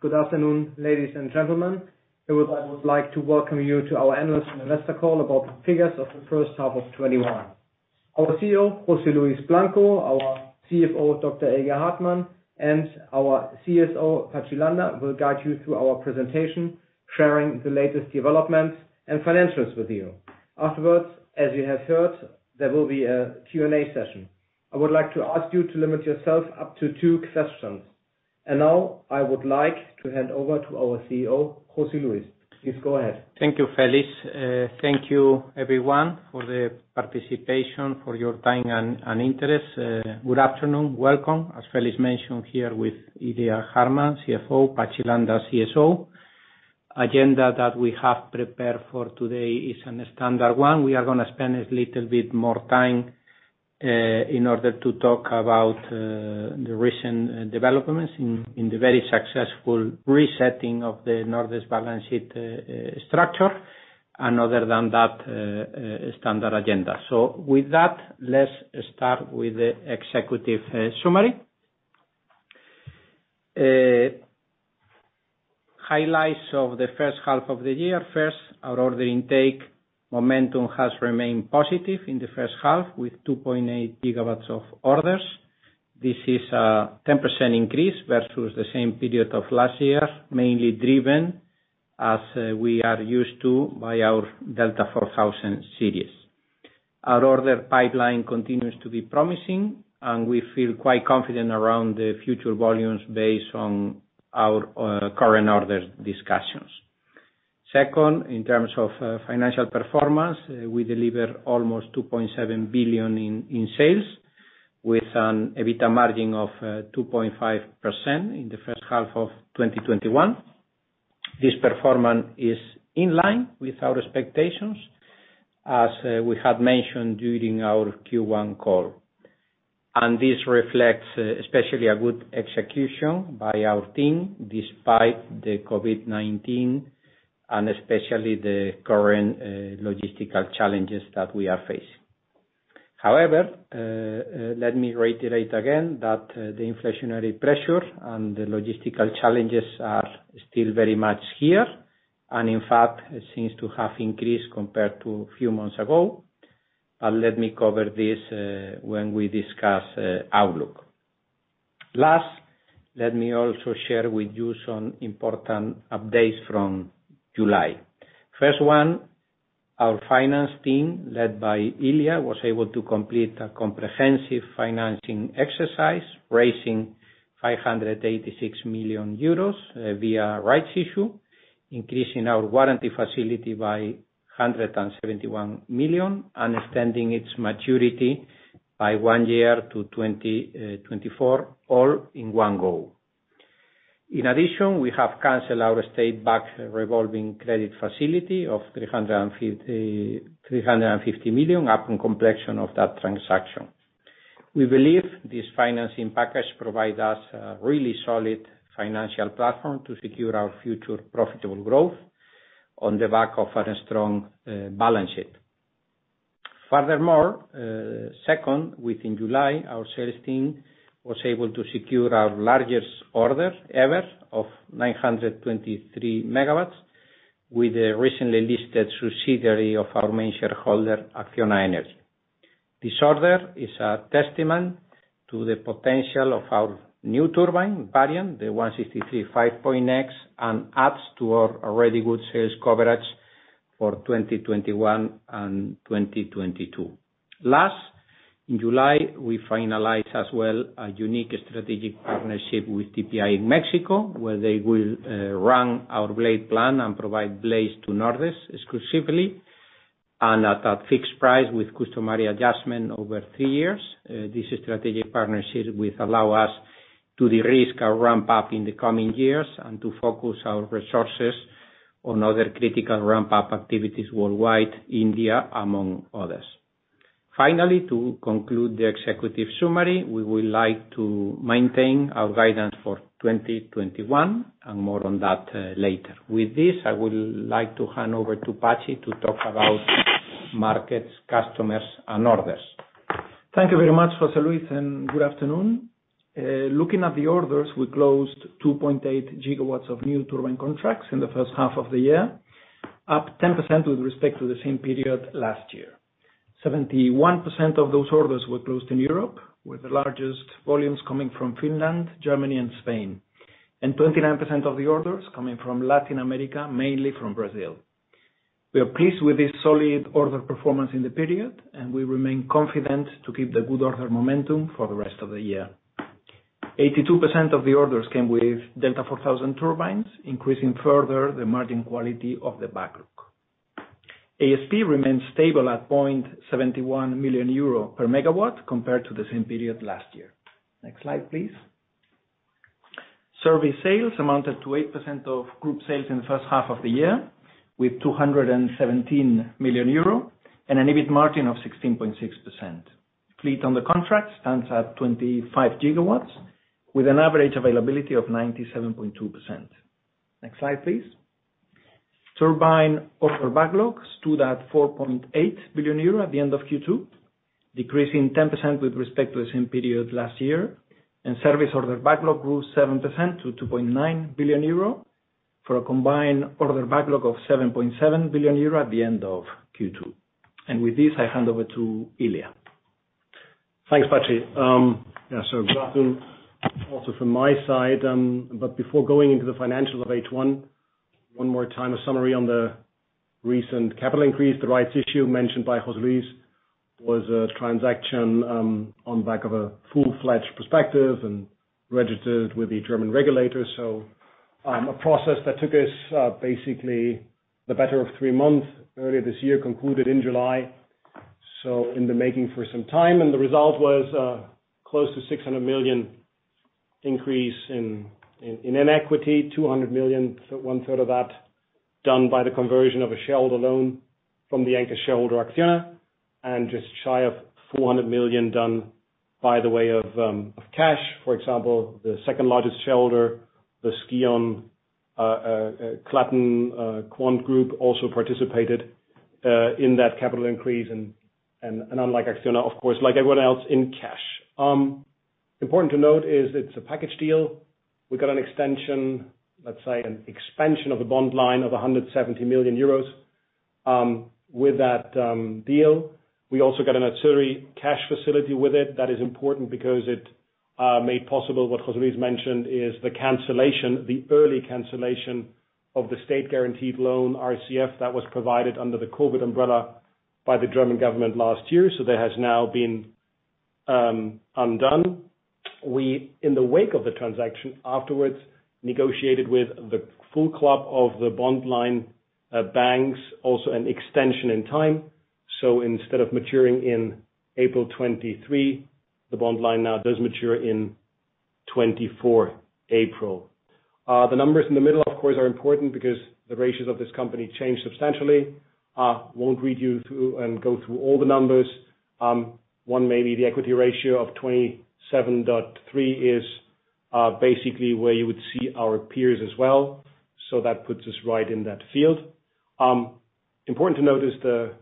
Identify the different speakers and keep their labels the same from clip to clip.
Speaker 1: Good afternoon, ladies and gentlemen. I would like to welcome you to our analyst investor call about the figures of the first half of 2021. Our CEO, José Luis Blanco, our CFO, Dr. Ilya Hartmann, and our CSO, Patxi Landa, will guide you through our presentation, sharing the latest developments and financials with you. Afterwards, as you have heard, there will be a Q&A session. I would like to ask you to limit yourself up to two questions. Now, I would like to hand over to our CEO, José Luis. Please go ahead.
Speaker 2: Thank you, Felix. Thank you everyone for the participation, for your time and interest. Good afternoon. Welcome. As Felix mentioned, here with Ilya Hartmann, CFO, Patxi Landa, CSO. Agenda that we have prepared for today is a standard one. We are going to spend a little bit more time in order to talk about the recent developments in the very successful resetting of the Nordex balance sheet structure, and other than that, standard agenda. With that, let's start with the executive summary. Highlights of the first half of the year. First, our order intake momentum has remained positive in the first half, with 2.8 gigawatts of orders. This is a 10% increase versus the same period of last year, mainly driven, as we are used to, by our Delta4000 series. Our order pipeline continues to be promising, and we feel quite confident around the future volumes based on our current order discussions. Second, in terms of financial performance, we deliver almost 2.7 billion in sales, with an EBITDA margin of 2.5% in the first half of 2021. This performance is in line with our expectations, as we had mentioned during our Q1 call. This reflects especially a good execution by our team, despite the COVID-19, and especially the current logistical challenges that we are facing. However, let me reiterate again, that the inflationary pressure and the logistical challenges are still very much here, and in fact, it seems to have increased compared to a few months ago. Let me cover this when we discuss outlook. Last, let me also share with you some important updates from July. First one, our finance team, led by Ilya, was able to complete a comprehensive financing exercise, raising 586 million euros via rights issue, increasing our warranty facility by 171 million, and extending its maturity by one year to 2024, all in one go. In addition, we have canceled our state-backed revolving credit facility of 350 million upon completion of that transaction. We believe this financing package provides us a really solid financial platform to secure our future profitable growth on the back of a strong balance sheet. Furthermore, second, within July, our sales team was able to secure our largest order ever of 923 MW with the recently listed subsidiary of our main shareholder, ACCIONA Energía. This order is a testament to the potential of our new turbine variant, the N163/5.X, and adds to our already good sales coverage for 2021 and 2022. Last, in July, we finalized as well a unique strategic partnership with TPI in Mexico, where they will run our blade plant and provide blades to Nordex exclusively, and at a fixed price with customary adjustment over three years. This strategic partnership will allow us to de-risk our ramp-up in the coming years and to focus our resources on other critical ramp-up activities worldwide, India, among others. Finally, to conclude the executive summary, we would like to maintain our guidance for 2021, and more on that later. With this, I would like to hand over to Patxi to talk about markets, customers, and orders.
Speaker 3: Thank you very much, Jose Luis. Good afternoon. Looking at the orders, we closed 2.8 gigawatts of new turbine contracts in the first half of the year, up 10% with respect to the same period last year. 71% of those orders were closed in Europe, with the largest volumes coming from Finland, Germany and Spain. 29% of the orders coming from Latin America, mainly from Brazil. We are pleased with this solid order performance in the period, and we remain confident to keep the good order momentum for the rest of the year. 82% of the orders came with Delta4000 turbines, increasing further the margin quality of the backlog. ASP remains stable at 0.71 million euro per megawatt compared to the same period last year. Next slide, please. Service sales amounted to 8% of group sales in the first half of the year, with 217 million euro and an EBIT margin of 16.6%. Fleet under contract stands at 25 GW with an average availability of 97.2%. Next slide, please. Turbine order backlogs stood at 4.8 billion euro at the end of Q2, decreasing 10% with respect to the same period last year, and service order backlog grew 7% to 2.9 billion euro for a combined order backlog of 7.7 billion euro at the end of Q2. With this, I hand over to Ilya.
Speaker 4: Thanks, Patxi. Yeah, welcome also from my side. Before going into the financials of H1, one more time, a summary on the recent capital increase. The rights issue mentioned by José Luis was a transaction on back of a full-fledged perspective and registered with the German regulators. A process that took us basically the better of three months earlier this year, concluded in July, so in the making for some time. The result was close to 600 million increase in equity, 200 million, one third of that done by the conversion of a shareholder loan from the anchor shareholder, Acciona, and just shy of 400 million done by the way of cash. For example, the second largest shareholder, SKion GmbH, also participated in that capital increase. Unlike Acciona, of course, like everyone else, in cash. Important to note is it's a package deal. We got an extension, let's say an expansion of the bond line of 170 million euros, with that deal. We also got an auxiliary cash facility with it. That is important because it made possible what José Luis mentioned is the early cancellation of the state guaranteed loan, RCF, that was provided under the COVID umbrella by the German government last year. That has now been undone. We, in the wake of the transaction, afterwards negotiated with the full club of the bond line banks, also an extension in time. Instead of maturing in April 2023, the bond line now does mature in 2024 April. The numbers in the middle, of course, are important because the ratios of this company changed substantially. Won't read you through and go through all the numbers. One may be the equity ratio of 27.3 is basically where you would see our peers as well. That puts us right in that field. Important to note is the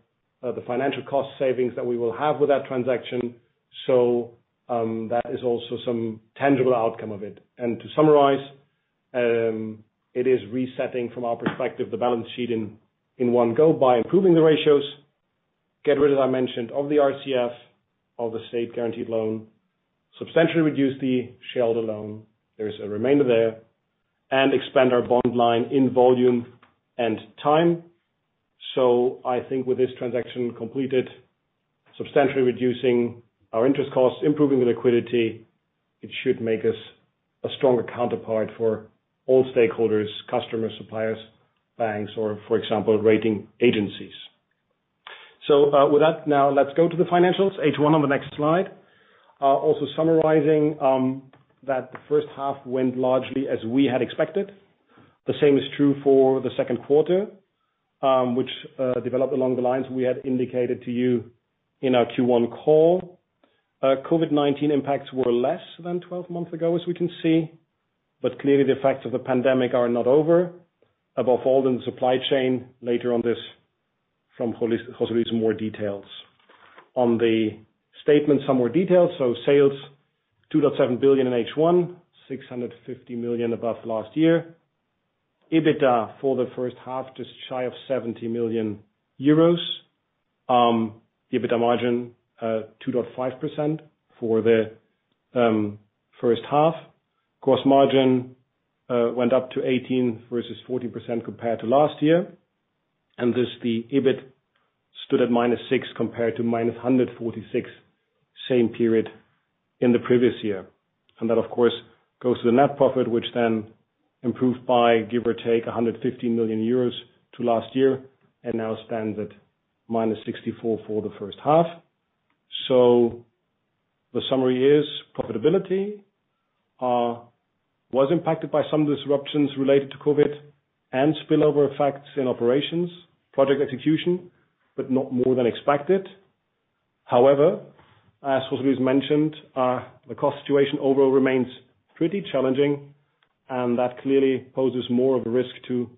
Speaker 4: financial cost savings that we will have with that transaction. That is also some tangible outcome of it. To summarize, it is resetting from our perspective, the balance sheet in one go by improving the ratios, get rid, as I mentioned, of the RCF, of the state guaranteed loan, substantially reduce the shareholder loan, there's a remainder there, and expand our bond line in volume and time. I think with this transaction completed, substantially reducing our interest costs, improving the liquidity, it should make us a stronger counterpart for all stakeholders, customers, suppliers, banks, or for example, rating agencies. With that, now let's go to the financials, H1 on the next slide. Summarizing that the first half went largely as we had expected. The same is true for the second quarter, which developed along the lines we had indicated to you in our Q1 call. COVID-19 impacts were less than 12 months ago, as we can see, but clearly the effects of the pandemic are not over, above all in the supply chain. Later on this from José Luis, more details. On the statement, some more details. Sales 2.7 billion in H1, 650 million above last year. EBITDA for the first half, just shy of 70 million euros. EBITDA margin, 2.5% for the first half. Gross margin went up to 18% versus 14% compared to last year. Thus the EBIT stood at -6 compared to -146 same period in the previous year. That of course goes to the net profit, which then improved by give or take 150 million euros to last year and now stands at -64 for the first half. The summary is profitability was impacted by some disruptions related to COVID and spillover effects in operations, project execution, not more than expected. However, as José Luis mentioned, the cost situation overall remains pretty challenging, that clearly poses more of a risk to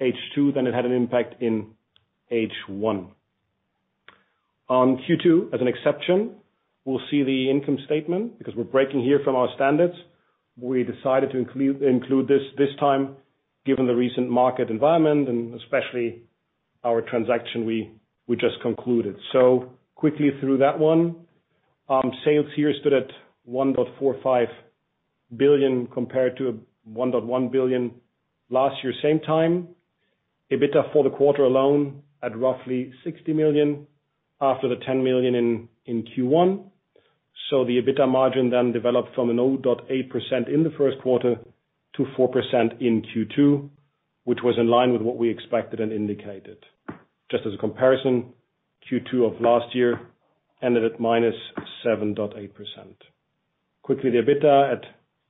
Speaker 4: H2 than it had an impact in H1. On Q2, as an exception, we'll see the income statement because we're breaking here from our standards. We decided to include this this time given the recent market environment and especially our transaction we just concluded. Quickly through that one. Sales here stood at 1.45 billion compared to 1.1 billion last year same time. EBITDA for the quarter alone at roughly 60 million after the 10 million in Q1. The EBITDA margin then developed from an 0.8% in the first quarter to 4% in Q2, which was in line with what we expected and indicated. Just as a comparison, Q2 of last year ended at -7.8%. Quickly, the EBITDA at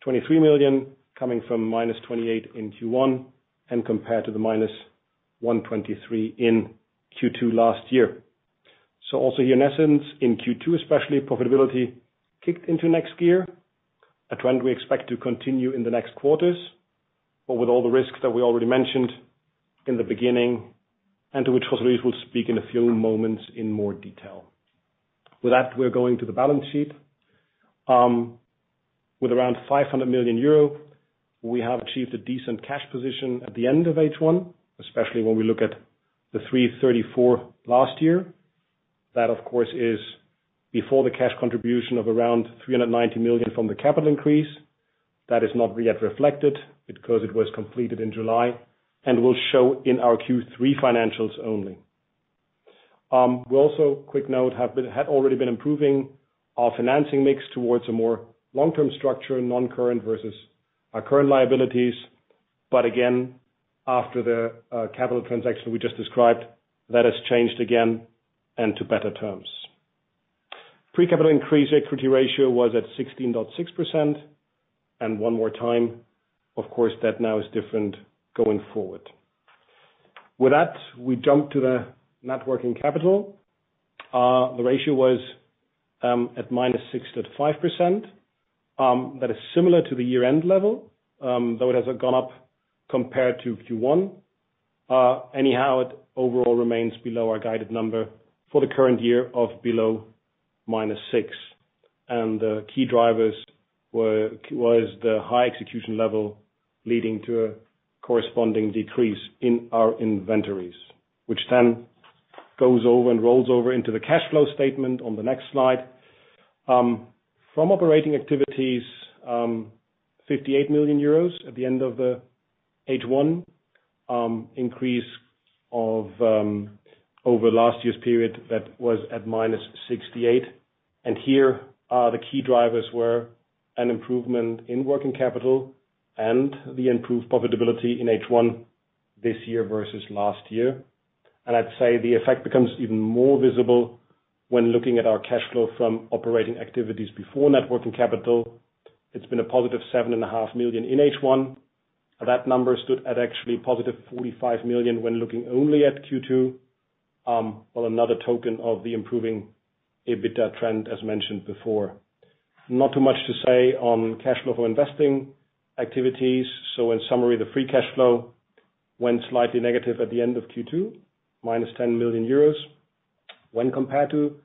Speaker 4: 23 million coming from -28 million in Q1 and compared to the -123 million in Q2 last year. Also here in essence, in Q2 especially, profitability kicked into next gear. A trend we expect to continue in the next quarters, with all the risks that we already mentioned in the beginning, and to which José Luis will speak in a few moments in more detail. With that, we're going to the balance sheet. With around 500 million euro, we have achieved a decent cash position at the end of H1, especially when we look at the 334 last year. Of course, that is before the cash contribution of around 390 million from the capital increase. It is not yet reflected because it was completed in July, and will show in our Q3 financials only. We, quick note, had already been improving our financing mix towards a more long-term structure, non-current versus our current liabilities. Again, after the capital transaction we just described, that has changed again and to better terms. Pre-capital increase equity ratio was at 16.6%. One more time, of course, that now is different going forward. With that, we jump to the net working capital. The ratio was at -6.5%. It is similar to the year-end level, though it has gone up compared to Q1. Anyhow, it overall remains below our guided number for the current year of below minus 6. The key drivers was the high execution level leading to a corresponding decrease in our inventories, which then goes over and rolls over into the cash flow statement on the next slide. From operating activities, 58 million euros at the end of the H1, increase over last year's period, that was at minus 68. Here, the key drivers were an improvement in working capital and the improved profitability in H1 this year versus last year. I'd say the effect becomes even more visible when looking at our cash flow from operating activities before net working capital. It's been a positive 7.5 million in H1. That number stood at actually positive 45 million when looking only at Q2. Well, another token of the improving EBITDA trend as mentioned before. Not too much to say on cash flow for investing activities. In summary, the free cash flow went slightly negative at the end of Q2, minus 10 million euros when compared to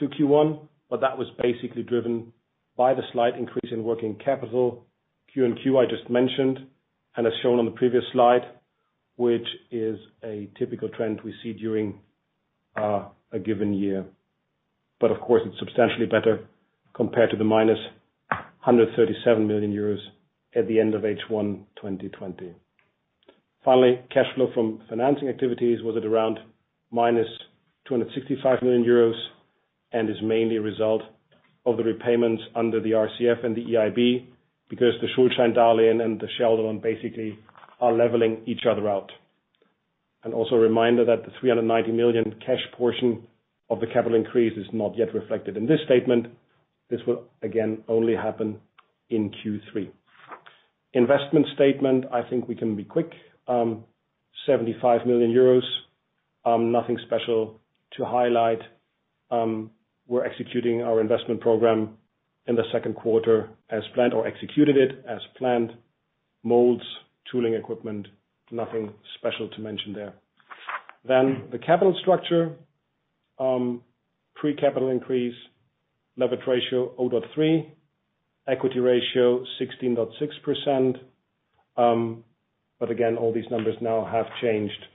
Speaker 4: Q1, but that was basically driven by the slight increase in working capital Q and Q I just mentioned. As shown on the previous slide, which is a typical trend we see during a given year. Of course, it's substantially better compared to the minus 137 million euros at the end of H1 2020. Finally, cash flow from financing activities was at around minus 265 million euros, and is mainly a result of the repayments under the RCF and the EIB, because the Schuldscheindarlehen and they basically are leveling each other out. Also a reminder that the 390 million cash portion of the capital increase is not yet reflected in this statement. This will again only happen in Q3. Investment statement, I think we can be quick. 75 million euros. Nothing special to highlight. We're executing our investment program in the second quarter as planned or executed it as planned. Molds, tooling equipment, nothing special to mention there. The capital structure. Pre-capital increase levered ratio 0.3, equity ratio 16.6%. Again, all these numbers now have changed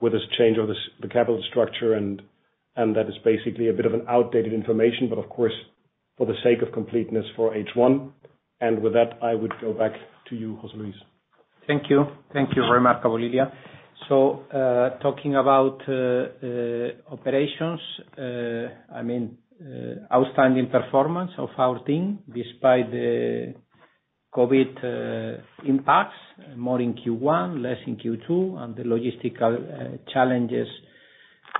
Speaker 4: with this change of the capital structure, that is basically a bit of an outdated information, of course, for the sake of completeness for H1. With that, I would go back to you, José Luis.
Speaker 2: Thank you. Thank you very much, Gabriel. Talking about operations, outstanding performance of our team. Despite the COVID impacts, more in Q1, less in Q2, and the logistical challenges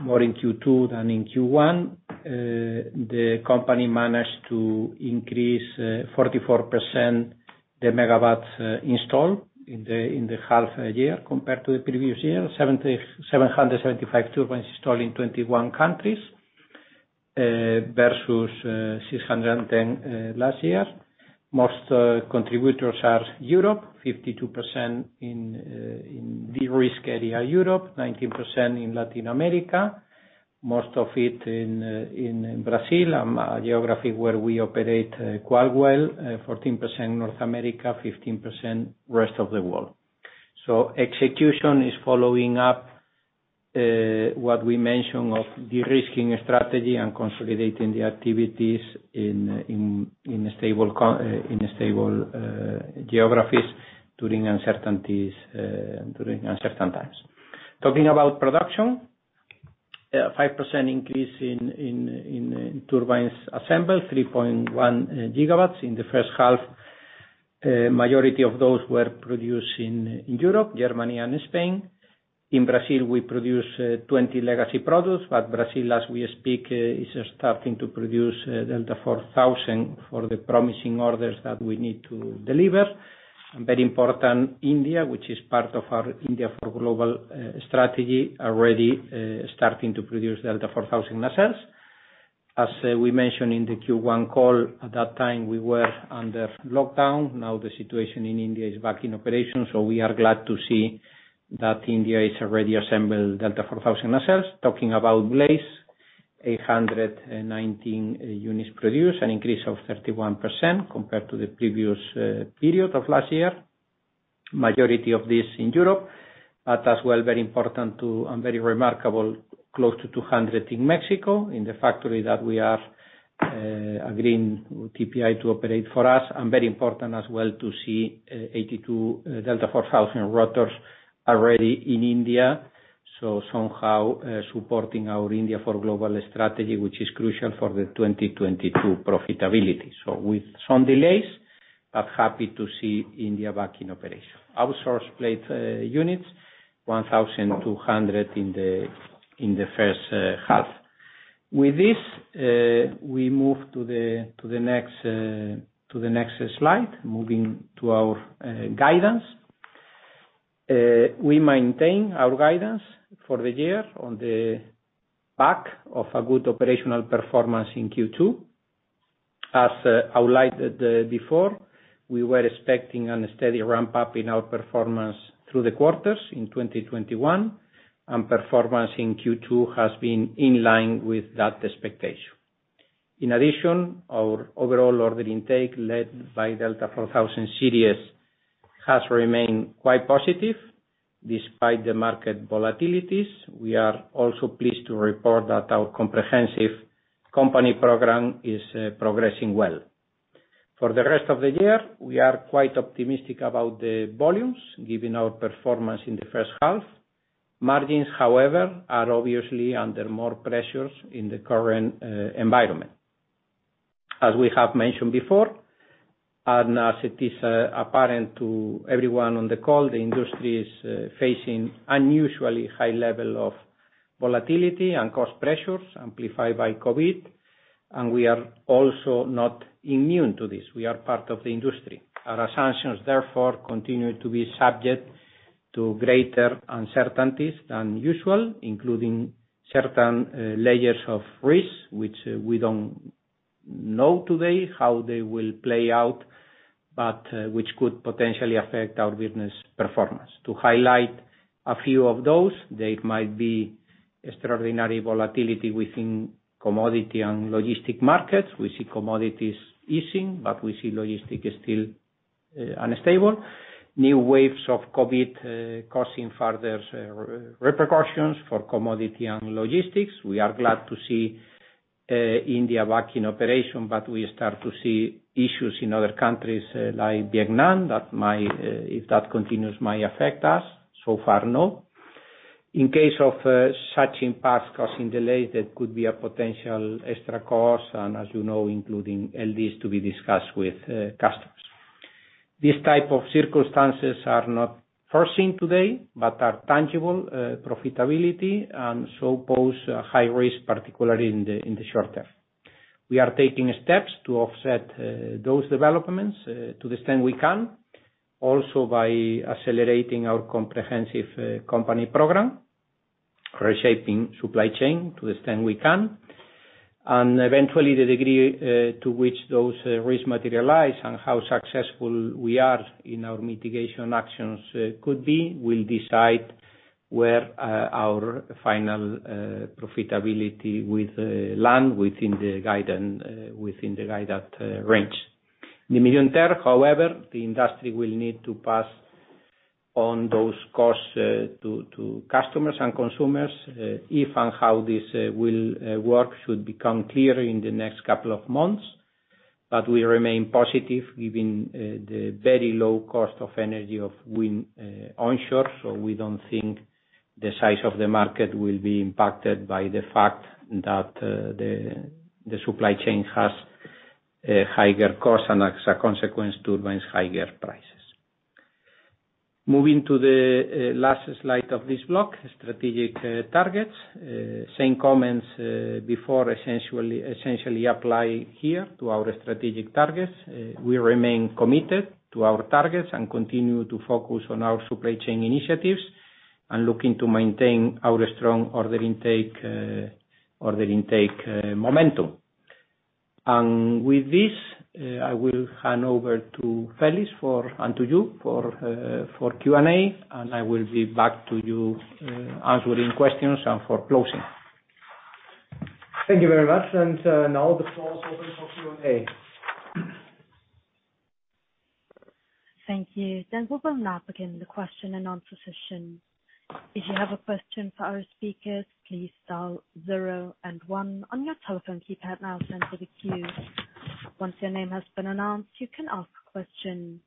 Speaker 2: more in Q2 than in Q1. The company managed to increase 44% the megawatts installed in the half a year compared to the previous year, 775 turbines installed in 21 countries, versus 610 last year. Most contributors are Europe, 52% in de-risk area Europe, 19% in Latin America, most of it in Brazil, a geography where we operate quite well. 14% North America, 15% rest of the world. Execution is following up what we mentioned of de-risking strategy and consolidating the activities in stable geographies during uncertain times. Talking about production, 5% increase in turbines assembled, 3.1 gigawatts in the first half. Majority of those were produced in Europe, Germany, and Spain. In Brazil, we produced 20 legacy products. Brazil, as we speak, is starting to produce Delta4000 for the promising orders that we need to deliver. Very important, India, which is part of our India for global strategy, already starting to produce Delta4000 nacelles. As we mentioned in the Q1 call, at that time, we were under lockdown. The situation in India is back in operation. We are glad to see that India is already assembled Delta4000 nacelles. Talking about blades, 819 units produced, an increase of 31% compared to the previous period of last year. Majority of this in Europe. As well, very important too, and very remarkable, close to 200 in Mexico, in the factory that we have agreed with TPI to operate for us. Very important as well to see 82 Delta4000 rotors already in India. Somehow, supporting our India for global strategy, which is crucial for the 2022 profitability. With some delays, but happy to see India back in operation. Outsource blade units, 1,200 in the first half. With this, we move to the next slide. Moving to our guidance. We maintain our guidance for the year on the back of a good operational performance in Q2. As outlined before, we were expecting a steady ramp-up in our performance through the quarters in 2021, and performance in Q2 has been in line with that expectation. In addition, our overall order intake, led by Delta4000 series, has remained quite positive despite the market volatilities. We are also pleased to report that our comprehensive company program is progressing well. For the rest of the year, we are quite optimistic about the volumes given our performance in the first half. Margins, however, are obviously under more pressures in the current environment. As we have mentioned before, and as it is apparent to everyone on the call, the industry is facing unusually high level of volatility and cost pressures amplified by COVID, and we are also not immune to this. We are part of the industry. Our assumptions, therefore, continue to be subject to greater uncertainties than usual, including certain layers of risk, which we don't know today how they will play out, but which could potentially affect our business performance. To highlight a few of those, they might be extraordinary volatility within commodity and logistics markets. We see commodities easing, but we see logistics is still unstable. New waves of COVID causing further repercussions for commodity and logistics. We are glad to see India back in operation, we start to see issues in other countries, like Vietnam, if that continues, might affect us. So far, no. In case of such impacts causing delays, there could be a potential extra cost and as you know, including LDs to be discussed with customers. These type of circumstances are not foreseen today, but are tangible profitability, pose a high risk, particularly in the short term. We are taking steps to offset those developments to the extent we can, also by accelerating our comprehensive company program, reshaping supply chain to the extent we can. Eventually, the degree to which those risks materialize and how successful we are in our mitigation actions will decide where our final profitability will land within the guided range. In the mid-term, however, the industry will need to pass on those costs to customers and consumers. If and how this will work should become clearer in the next couple of months. We remain positive given the very low cost of energy of wind onshore, so we don't think the size of the market will be impacted by the fact that the supply chain has higher costs and as a consequence, turbines higher prices. Moving to the last slide of this block, strategic targets. Same comments before essentially apply here to our strategic targets. We remain committed to our targets and continue to focus on our supply chain initiatives and looking to maintain our strong order intake momentum. With this, I will hand over to Felix and to you for Q&A, and I will be back to you, answering questions and for closing.
Speaker 1: Thank you very much. Now the floor is open for Q&A.
Speaker 5: Thank you. We will now begin the question and answer session. If you have a question for our speaker, press star zero and one on your telephone keypad and I'll send to the queue. Once your name has been announced, you can ask question.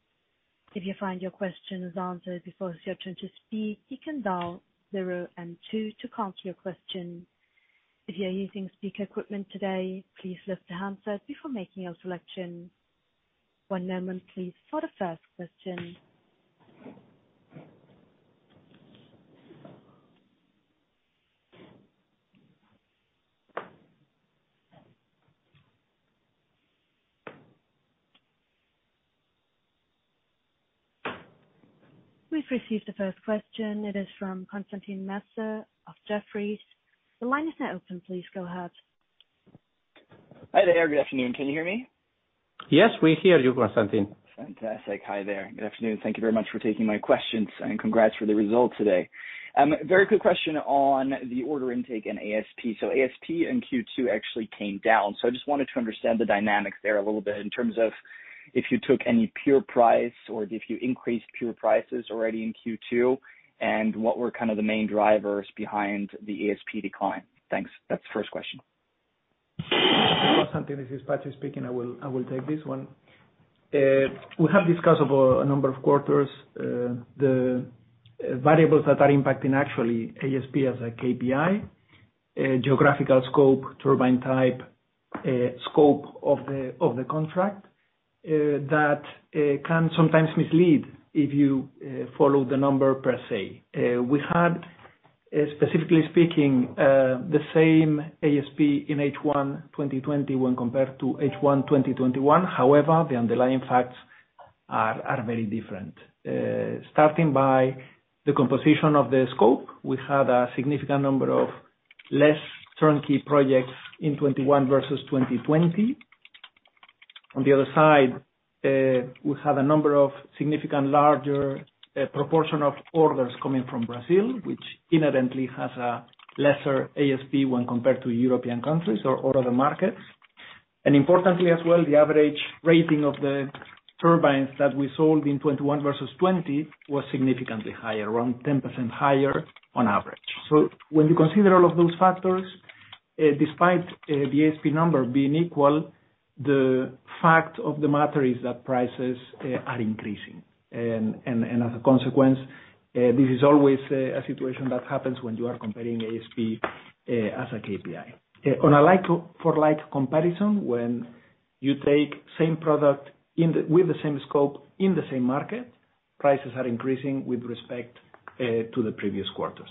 Speaker 5: If you find your question is answered before shifting to speak, you can dial zero and two to cancel your question. If you are using speaker equipment today, please lift the handset before making a selection. One moment please for the first question. We've received the first question. It is from Constantin Hesse of Jefferies. The line is now open. Please go ahead.
Speaker 6: Hi there. Good afternoon. Can you hear me?
Speaker 3: Yes, we hear you, Constantin.
Speaker 6: Fantastic. Hi there. Good afternoon. Thank you very much for taking my questions, and congrats for the results today. A very quick question on the order intake and ASP. ASP in Q2 actually came down. I just wanted to understand the dynamics there a little bit in terms of if you took any pure price or if you increased pure prices already in Q2, and what were kind of the main drivers behind the ASP decline. Thanks. That's the first question.
Speaker 3: Constantin Hesse, this is Patxi speaking. I will take this one. We have discussed over a number of quarters, the variables that are impacting actually ASP as a KPI, geographical scope, turbine type, scope of the contract, that can sometimes mislead if you follow the number per se. We had, specifically speaking, the same ASP in H1 2020 when compared to H1 2021. However, the underlying facts are very different. Starting by the composition of the scope, we had a significant number of less turnkey projects in 2021 versus 2020. On the other side, we had a number of significant larger proportion of orders coming from Brazil, which inherently has a lesser ASP when compared to European countries or other markets. Importantly as well, the average rating of the turbines that we sold in 2021 versus 2020 was significantly higher, around 10% higher on average. When you consider all of those factors, despite the ASP number being equal, the fact of the matter is that prices are increasing. As a consequence, this is always a situation that happens when you are comparing ASP as a KPI. On a like-for-like comparison, when you take same product with the same scope in the same market, prices are increasing with respect to the previous quarters.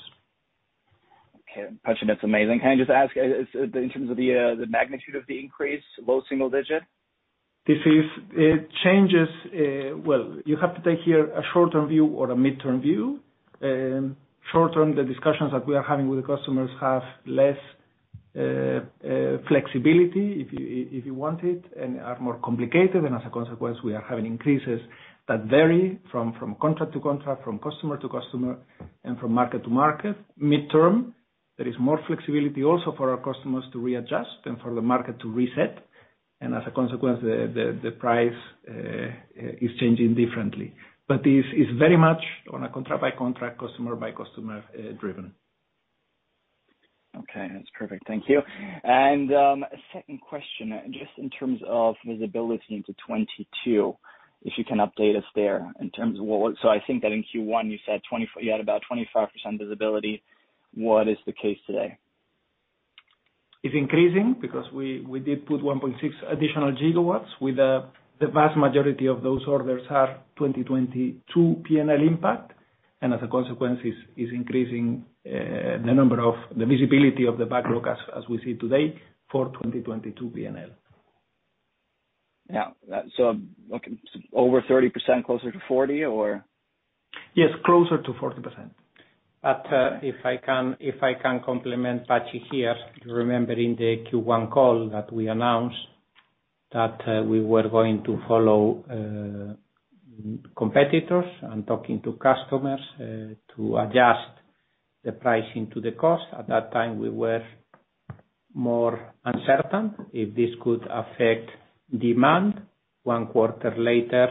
Speaker 6: Okay. Patxi, that's amazing. Can I just ask, in terms of the magnitude of the increase, low single digit?
Speaker 3: It changes, well, you have to take here a short-term view or a midterm view. Short-term, the discussions that we are having with the customers have less flexibility, if you want it, and are more complicated, and as a consequence, we are having increases that vary from contract to contract, from customer to customer, and from market to market. Midterm, there is more flexibility also for our customers to readjust and for the market to reset. As a consequence, the price is changing differently. This is very much on a contract-by-contract, customer-by-customer driven.
Speaker 6: Okay. That's perfect. Thank you. Second question, just in terms of visibility into 2022, if you can update us there in terms of what-- so I think that in Q1 you said you had about 25% visibility. What is the case today?
Speaker 3: It's increasing because we did put 1.6 additional gigawatts with the vast majority of those orders have 2022 P&L impact, as a consequence, it's increasing the visibility of the backlog as we see today for 2022 P&L.
Speaker 6: Yeah. Over 30%, closer to 40% or?
Speaker 3: Yes, closer to 40%.
Speaker 2: If I can complement Patxi here, you remember in the Q1 call that we announced that we were going to follow competitors and talking to customers to adjust the pricing to the cost. At that time, we were more uncertain if this could affect demand. One quarter later,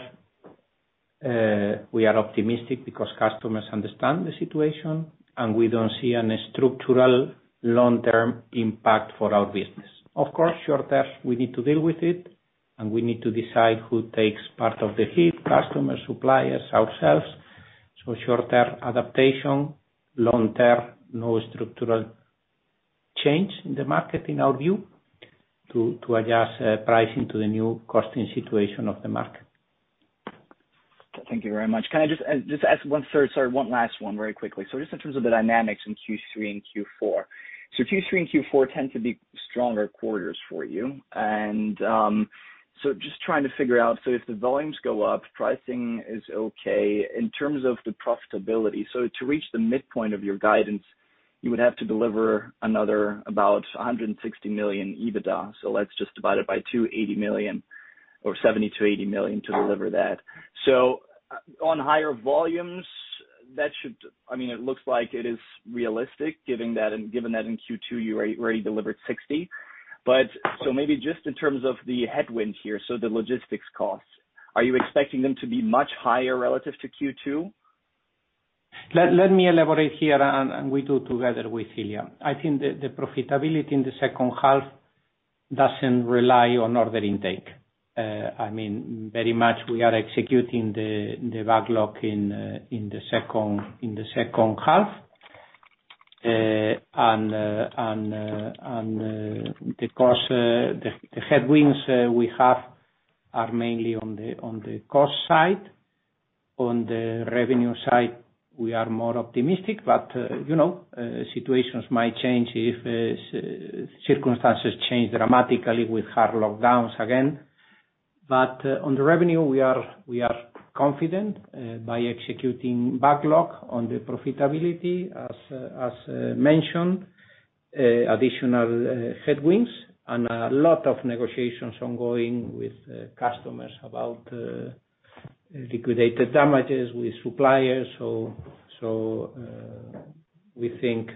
Speaker 2: we are optimistic because customers understand the situation, and we don't see any structural long-term impact for our business. Of course, short-term, we need to deal with it, and we need to decide who takes part of the hit, customers, suppliers, ourselves. Short-term adaptation, long-term, no structural change in the market in our view to adjust pricing to the new costing situation of the market.
Speaker 6: Thank you very much. Can I just ask one last one very quickly. Just in terms of the dynamics in Q3 and Q4. Q3 and Q4 tend to be stronger quarters for you. Just trying to figure out, if the volumes go up, pricing is okay. In terms of the profitability, to reach the midpoint of your guidance, you would have to deliver another about $160 million EBITDA. Let's just divide it by two, $80 million or $70 million-$80 million to deliver that. On higher volumes, I mean, it looks like it is realistic given that in Q2 you already delivered $60 million. Maybe just in terms of the headwind here, the logistics costs. Are you expecting them to be much higher relative to Q2?
Speaker 2: Let me elaborate here and we do together with Ilya. I think the profitability in the second half doesn't rely on order intake. I mean, very much we are executing the backlog in the second half. The headwinds we have are mainly on the cost side. On the revenue side, we are more optimistic. Situations might change if circumstances change dramatically with hard lockdowns again. On the revenue, we are confident by executing backlog on the profitability. As mentioned, additional headwinds and a lot of negotiations ongoing with customers about liquidated damages with suppliers. We think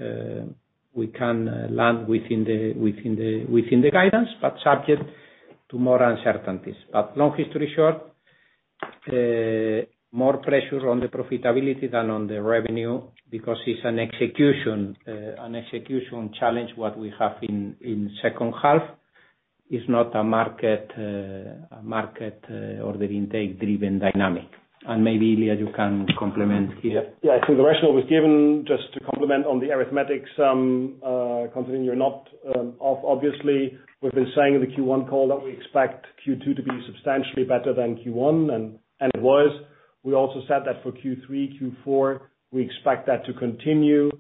Speaker 2: we can land within the guidance, but subject to more uncertainties. Long history short, more pressure on the profitability than on the revenue because it's an execution challenge, what we have in second half. It's not a market order intake driven dynamic. Maybe, Ilya, you can complement here.
Speaker 4: The rationale was given just to complement on the arithmetic, continuing or not. Obviously, we've been saying in the Q1 call that we expect Q2 to be substantially better than Q1, and it was. We also said that for Q3, Q4, we expect that to continue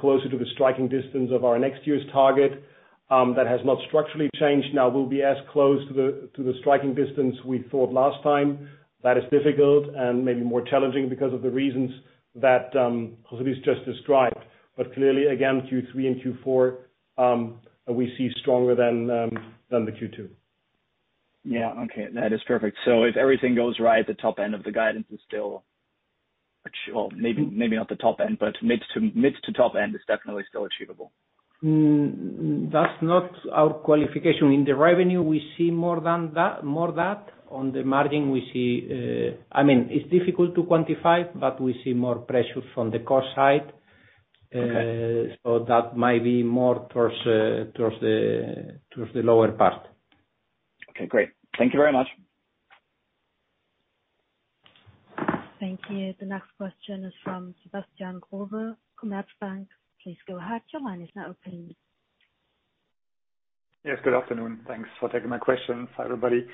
Speaker 4: closer to the striking distance of our next year's target. That has not structurally changed. We'll be as close to the striking distance we thought last time. That is difficult and maybe more challenging because of the reasons that José just described. Clearly, again, Q3 and Q4, we see stronger than the Q2.
Speaker 6: Yeah. Okay. That is perfect. If everything goes right, the top end of the guidance is still Well, maybe not the top end, but mid to top end is definitely still achievable.
Speaker 2: That's not our qualification. In the revenue, we see more that. On the margin, we see. It's difficult to quantify, but we see more pressure from the cost side. That might be more towards the lower part.
Speaker 6: Okay, great. Thank you very much.
Speaker 5: Thank you. The next question is from Sebastian Growe, Commerzbank. Please go ahead. Your line is now open.
Speaker 7: Yes, good afternoon. Thanks for taking my question. Hi, everybody.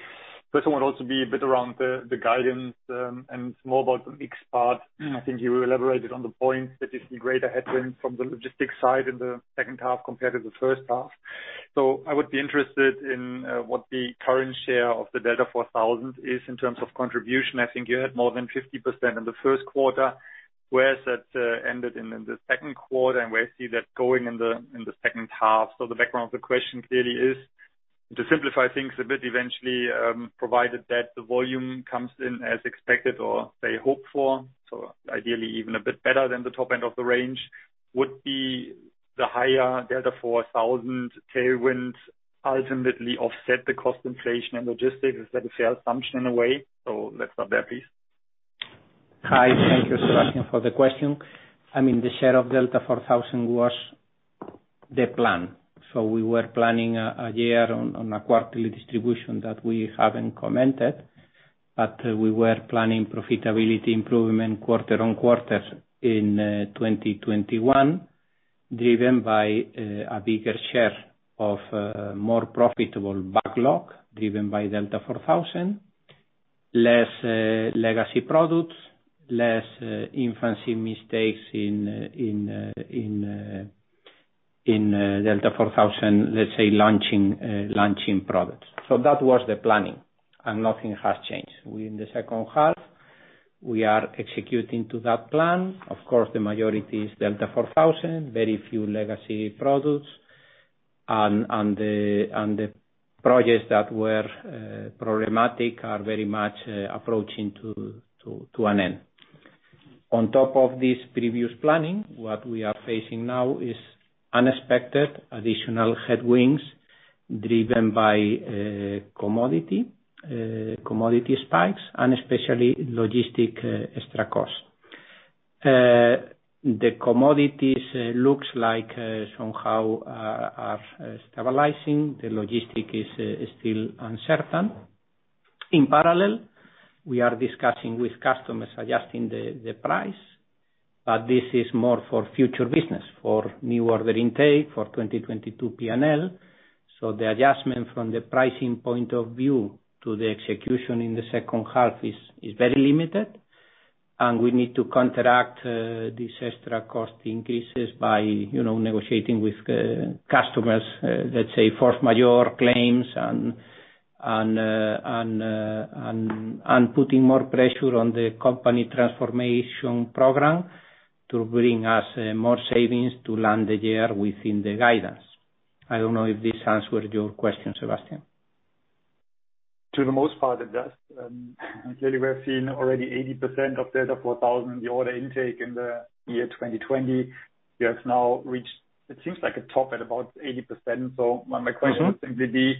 Speaker 7: First, I want also to be a bit around the guidance, and it's more about the mixed part. I think you elaborated on the point that you see greater headwinds from the logistics side in the second half compared to the first half. I would be interested in what the current share of the Delta4000 is in terms of contribution. I think you had more than 50% in the first quarter. Where has that ended in the second quarter, and where see that going in the second half? The background of the question clearly is to simplify things a bit eventually, provided that the volume comes in as expected or they hope for. Ideally, even a bit better than the top end of the range. Would be the higher Delta4000 tailwinds ultimately offset the cost inflation and logistics? Is that a fair assumption in a way? Let's start there, please.
Speaker 2: Hi. Thank you, Sebastian, for the question. The share of Delta4000 was the plan. We were planning a year on a quarterly distribution that we haven't commented, but we were planning profitability improvement quarter-on-quarter in 2021, driven by a bigger share of more profitable backlog, driven by Delta4000, less legacy products, less infancy mistakes in Delta4000, let's say, launching products. That was the planning, and nothing has changed. We, in the second half, we are executing to that plan. Of course, the majority is Delta4000, very few legacy products. The projects that were problematic are very much approaching to an end. On top of this previous planning, what we are facing now is unexpected additional headwinds driven by commodity spikes and especially logistic extra cost. The commodities look like somehow are stabilizing. The logistics is still uncertain. In parallel, we are discussing with customers adjusting the price. This is more for future business, for new order intake, for 2022 P&L. The adjustment from the pricing point of view to the execution in the second half is very limited. We need to contract these extra cost increases by negotiating with customers, let's say, force majeure claims and putting more pressure on the company transformation program to bring us more savings to land the year within the guidance. I don't know if this answered your question, Sebastian.
Speaker 7: To the most part, it does. Clearly, we're seeing already 80% of Delta4000, the order intake in the year 2020. You have now reached, it seems like a top at about 80%. My question would simply be,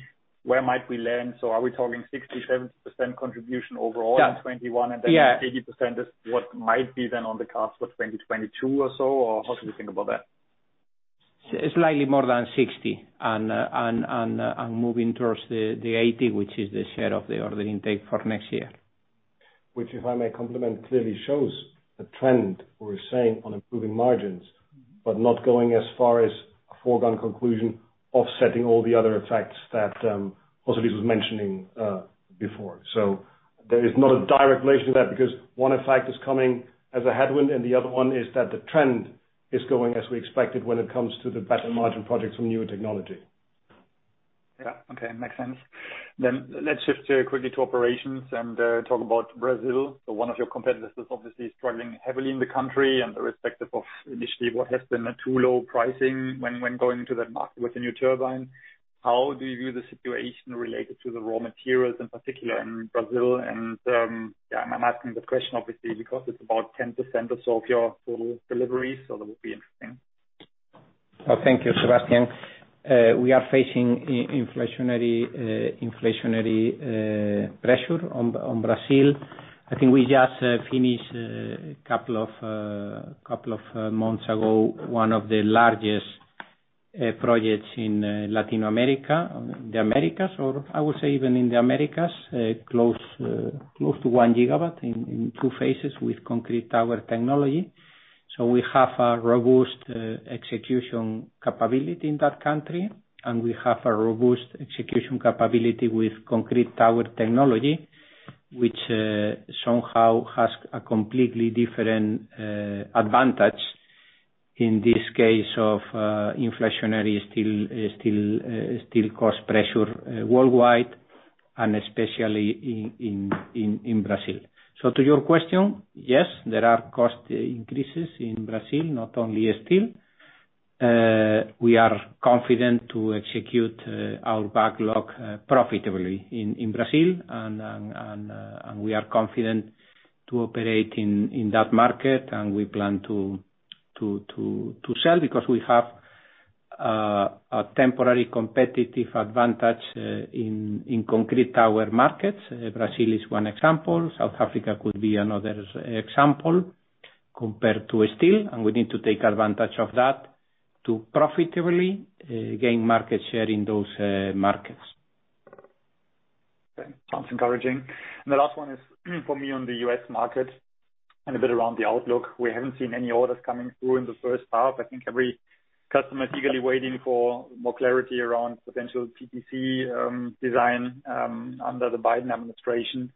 Speaker 7: where might we land? Are we talking 60%, 70% contribution overall in 2021? 80% is what might be then on the cards for 2022 or so, or how can we think about that?
Speaker 2: Slightly more than 60, and moving towards the 80, which is the share of the order intake for next year.
Speaker 4: Which, if I may complement, clearly shows a trend we're seeing on improving margins. Not going as far as a foregone conclusion offsetting all the other effects that José Luis was mentioning before. There is not a direct relation to that because one effect is coming as a headwind, and the other one is that the trend is going as we expected when it comes to the better margin projects from newer technology.
Speaker 7: Yeah. Okay, makes sense. Let's shift quickly to operations and talk about Brazil. One of your competitors is obviously struggling heavily in the country, and irrespective of initially what has been a too low pricing when going into that market with a new turbine. How do you view the situation related to the raw materials, in particular in Brazil? Yeah, I'm asking the question obviously because it's about 10% or so of your total deliveries, so that would be interesting.
Speaker 2: Thank you, Sebastian. We are facing inflationary pressure on Brazil. I think we just finished, a couple of months ago, one of the largest projects in Latin America, the Americas, or I would say even in the Americas. Close to 1 gigawatt in two phases with concrete tower technology. We have a robust execution capability in that country, and we have a robust execution capability with concrete tower technology, which somehow has a completely different advantage in this case of inflationary steel cost pressure worldwide and especially in Brazil. To your question, yes, there are cost increases in Brazil, not only steel. We are confident to execute our backlog profitably in Brazil. We are confident to operate in that market and we plan to sell because we have a temporary competitive advantage in concrete tower markets. Brazil is one example. South Africa could be another example compared to steel, and we need to take advantage of that to profitably gain market share in those markets.
Speaker 7: Okay. Sounds encouraging. The last one is for me on the U.S. market and a bit around the outlook. We haven't seen any orders coming through in the first half. I think every customer is eagerly waiting for more clarity around potential PTC design under the Biden administration.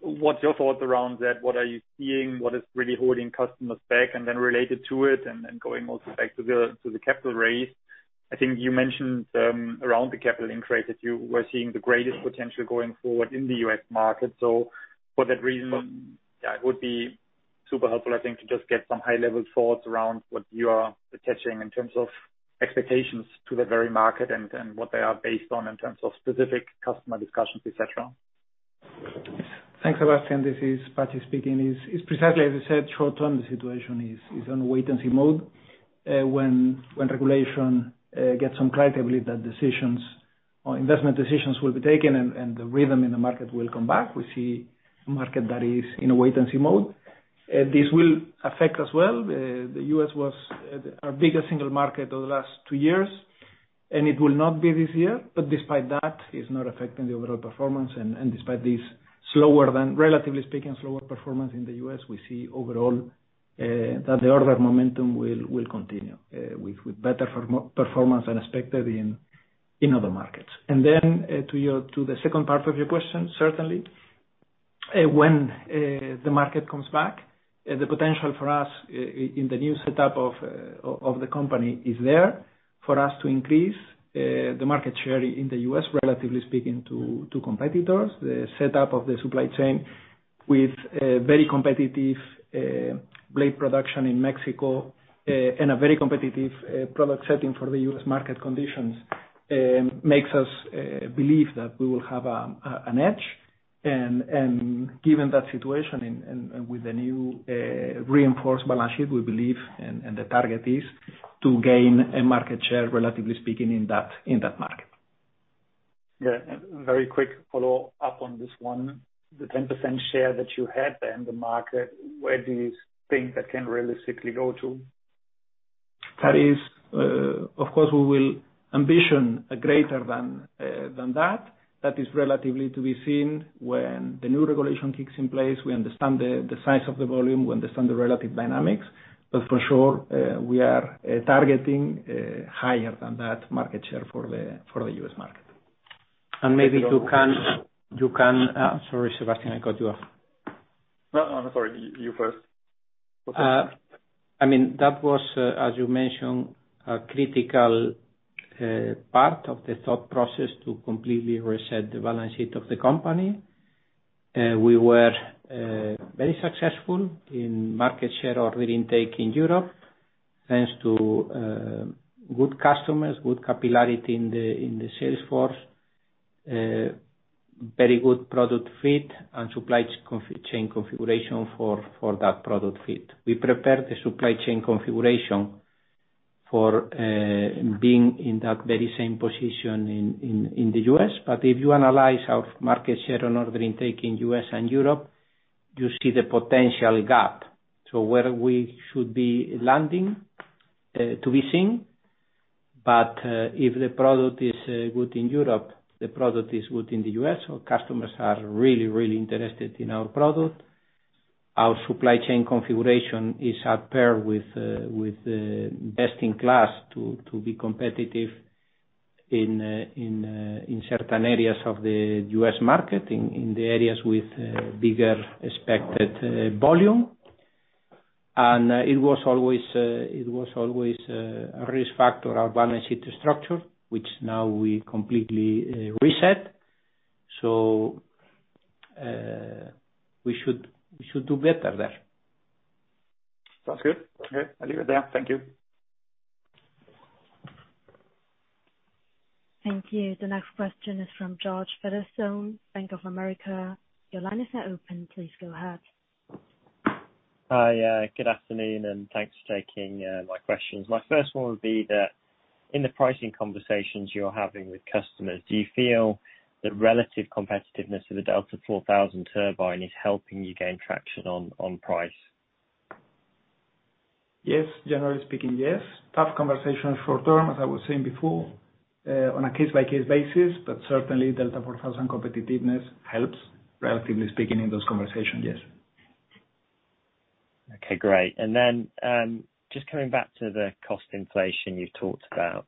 Speaker 7: What's your thoughts around that? What are you seeing? What is really holding customers back? Related to it and then going also back to the capital raise. I think you mentioned, around the capital increase, that you were seeing the greatest potential going forward in the U.S. market. For that reason, yeah, it would be super helpful, I think, to just get some high-level thoughts around what you are attaching in terms of expectations to that very market and what they are based on in terms of specific customer discussions, et cetera.
Speaker 3: Thanks, Sebastian. This is Patxi speaking. It's precisely as you said, short-term, the situation is on wait-and-see mode. When regulation gets some clarity, I believe that decisions or investment decisions will be taken and the rhythm in the market will come back. We see a market that is in a wait-and-see mode. This will affect us well. The U.S. was our biggest single market over the last two years, and it will not be this year. Despite that, it's not affecting the overall performance. Despite these slower than, relatively speaking, slower performance in the U.S., we see overall that the order momentum will continue, with better performance than expected in other markets. Then, to the second part of your question, certainly, when the market comes back, the potential for us in the new setup of the company is there for us to increase the market share in the U.S. relatively speaking to competitors. The setup of the supply chain with very competitive blade production in Mexico and a very competitive product setting for the U.S. market conditions makes us believe that we will have an edge. Given that situation and with the new reinforced balance sheet, we believe and the target is to gain a market share, relatively speaking, in that market.
Speaker 7: Yeah. Very quick follow-up on this one. The 10% share that you had there in the market, where do you think that can realistically go to?
Speaker 3: That is, of course, we will ambition a greater than that. That is relatively to be seen when the new regulation kicks in place. We understand the size of the volume, we understand the relative dynamics. For sure, we are targeting higher than that market share for the U.S. market.
Speaker 2: Sorry, Sebastian, I cut you off.
Speaker 7: No, I'm sorry. You first.
Speaker 2: That was, as you mentioned, a critical part of the thought process to completely reset the balance sheet of the company. We were very successful in market share order intake in Europe, thanks to good customers, good capillarity in the sales force, very good product fit, and supply chain configuration for that product fit. We prepared the supply chain configuration for being in that very same position in the U.S. If you analyze our market share and order intake in U.S. and Europe, you see the potential gap to where we should be landing to be seen. If the product is good in Europe, the product is good in the U.S. Customers are really, really interested in our product. Our supply chain configuration is at par with best in class to be competitive in certain areas of the U.S. market, in the areas with bigger expected volume. It was always a risk factor, our balance sheet structure, which now we completely reset. We should do better there.
Speaker 7: Sounds good. Okay, I'll leave it there. Thank you.
Speaker 5: Thank you. The next question is from George Featherstone, Bank of America. Your line is now open. Please go ahead.
Speaker 8: Hi. Good afternoon. Thanks for taking my questions. My first one would be that in the pricing conversations you're having with customers, do you feel the relative competitiveness of the Delta4000 turbine is helping you gain traction on price?
Speaker 3: Yes. Generally speaking, yes. Tough conversation short-term, as I was saying before, on a case-by-case basis, but certainly Delta4000 competitiveness helps, relatively speaking, in those conversations, yes.
Speaker 8: Okay, great. Just coming back to the cost inflation you talked about.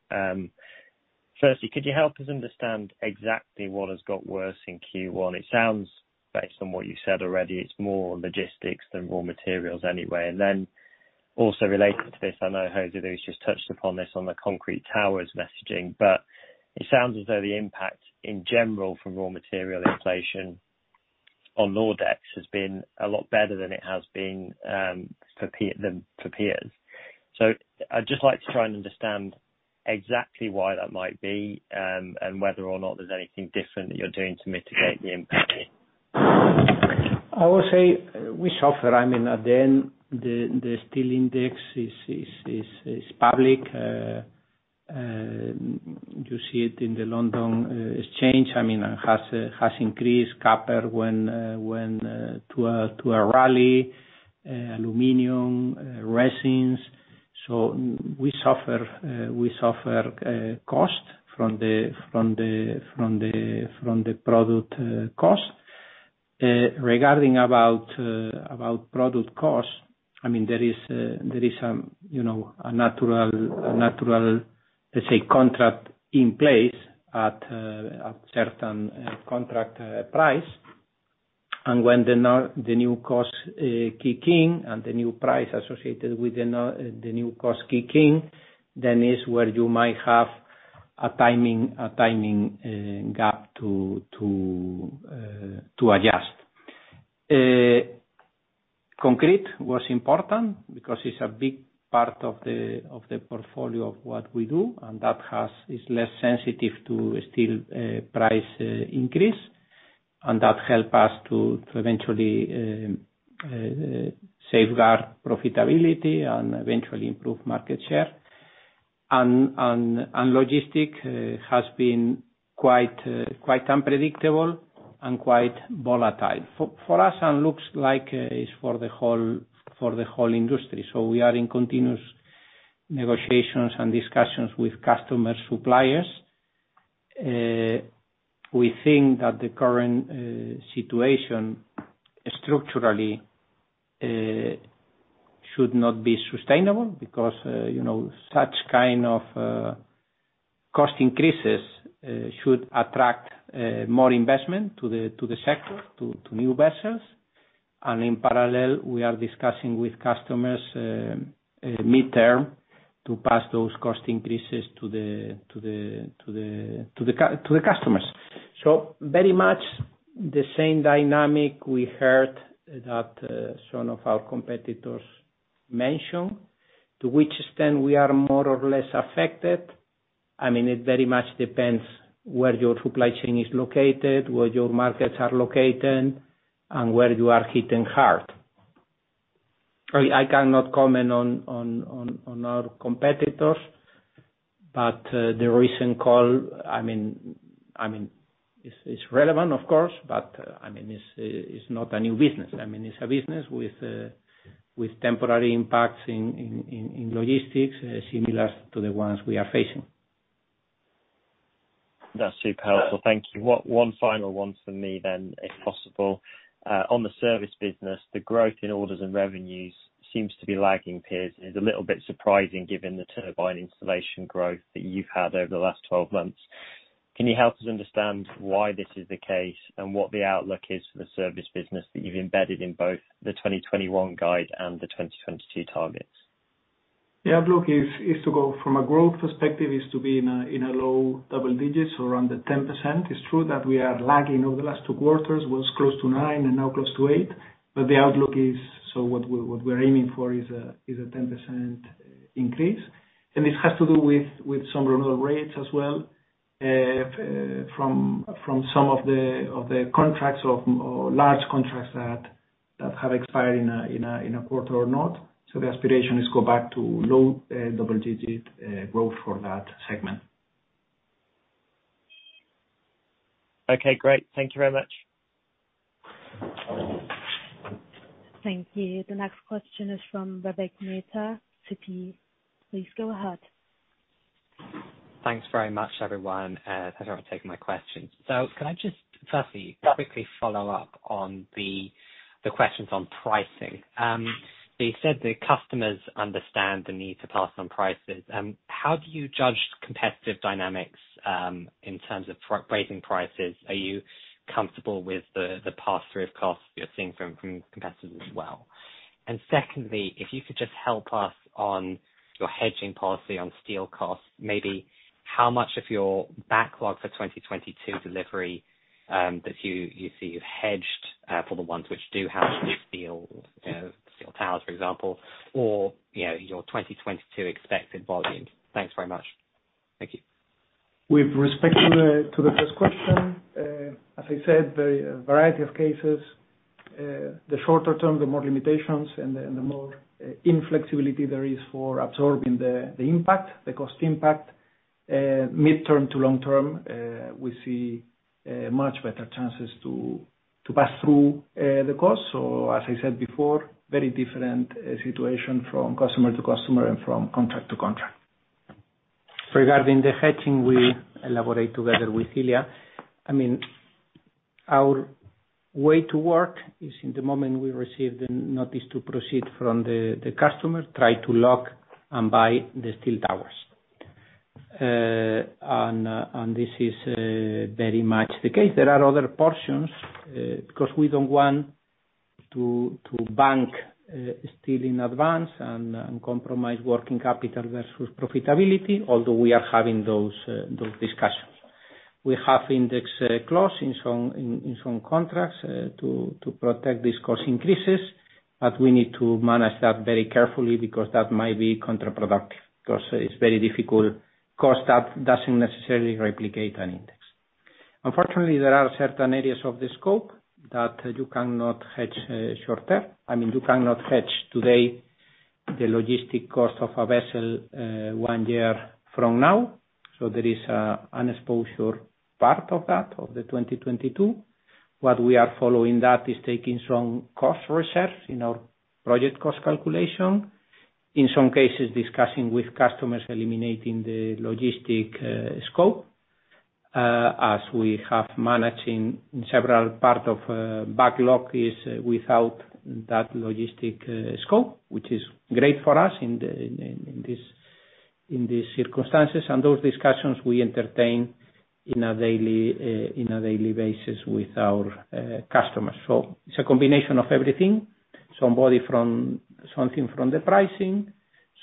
Speaker 8: Firstly, could you help us understand exactly what has got worse in Q1? It sounds, based on what you said already, it's more logistics than raw materials anyway. Also related to this, I know José Luis just touched upon this on the concrete towers messaging, it sounds as though the impact in general from raw material inflation on Nordex has been a lot better than it has been than for peers. I'd just like to try and understand exactly why that might be, and whether or not there's anything different that you're doing to mitigate the impact.
Speaker 2: I would say we suffer. At the end, the steel index is public. You see it in the London Metal Exchange, it has increased, copper went to a rally, aluminum, resins. We suffer cost from the product cost. Regarding about product cost, there is a natural, let's say, contract in place at a certain contract price. When the new cost kick in and the new price associated with the new cost kicking, then is where you might have a timing gap to adjust. Concrete was important because it's a big part of the portfolio of what we do, and that is less sensitive to steel price increase, and that help us to eventually safeguard profitability and eventually improve market share. Logistic has been quite unpredictable and quite volatile. For us, and looks like it's for the whole industry. We are in continuous negotiations and discussions with customer suppliers. We think that the current situation structurally should not be sustainable because such kind of cost increases should attract more investment to the sector, to new vessels. In parallel, we are discussing with customers mid-term to pass those cost increases to the customers. Very much the same dynamic we heard that some of our competitors mention, to which extent we are more or less affected. It very much depends where your supply chain is located, where your markets are located, and where you are hitting hard. I cannot comment on our competitors, but the recent call, it's relevant of course, but it's not a new business. It's a business with temporary impacts in logistics, similar to the ones we are facing.
Speaker 8: That's super helpful. Thank you. One final one for me then, if possible. On the service business, the growth in orders and revenues seems to be lagging peers, and it's a little bit surprising given the turbine installation growth that you've had over the last 12 months. Can you help us understand why this is the case and what the outlook is for the service business that you've embedded in both the 2021 guide and the 2022 targets?
Speaker 3: The outlook is to go from a growth perspective is to be in a low double digits or under 10%. It's true that we are lagging over the last two quarters, was close to nine and now close to eight. The outlook is, so what we're aiming for is a 10% increase. This has to do with some renewal rates as well, from some of the contracts or large contracts that have expired in a quarter or not. The aspiration is go back to low double-digit growth for that sector.
Speaker 8: Okay, great. Thank you very much.
Speaker 5: Thank you. The next question is from Vivek Midha, Citi. Please go ahead.
Speaker 9: Thanks very much, everyone, and thanks for taking my question. Can I just firstly quickly follow up on the questions on pricing? You said the customers understand the need to pass on prices. How do you judge competitive dynamics in terms of raising prices? Are you comfortable with the pass-through of costs you're seeing from competitors as well? Secondly, if you could just help us on your hedging policy on steel costs, maybe how much of your backlog for 2022 delivery that you see you've hedged for the ones which do have the steel towers, for example, or your 2022 expected volumes. Thanks very much. Thank you.
Speaker 3: With respect to the first question, as I said, the variety of cases, the shorter term, the more limitations and the more inflexibility there is for absorbing the impact, the cost impact. Mid-term to long-term, we see much better chances to pass through the costs. As I said before, very different situation from customer to customer and from contract to contract.
Speaker 2: Regarding the hedging, we elaborate together with Ilya. Our way to work is in the moment we receive the notice to proceed from the customer, try to lock and buy the steel towers. This is very much the case. There are other portions, because we don't want to bank steel in advance and compromise working capital versus profitability, although we are having those discussions. We have index clause in some contracts to protect these cost increases. We need to manage that very carefully because that might be counterproductive, because it's very difficult. Cost doesn't necessarily replicate an index. Unfortunately, there are certain areas of the scope that you cannot hedge shorter. You cannot hedge today the logistic cost of a vessel one year from now. There is an exposure part of that, of the 2022. What we are following that is taking some cost reserves in our project cost calculation. In some cases, discussing with customers eliminating the logistic scope, as we have managing several part of backlog is without that logistic scope, which is great for us in these circumstances. Those discussions we entertain in a daily basis with our customers. It's a combination of everything, something from the pricing,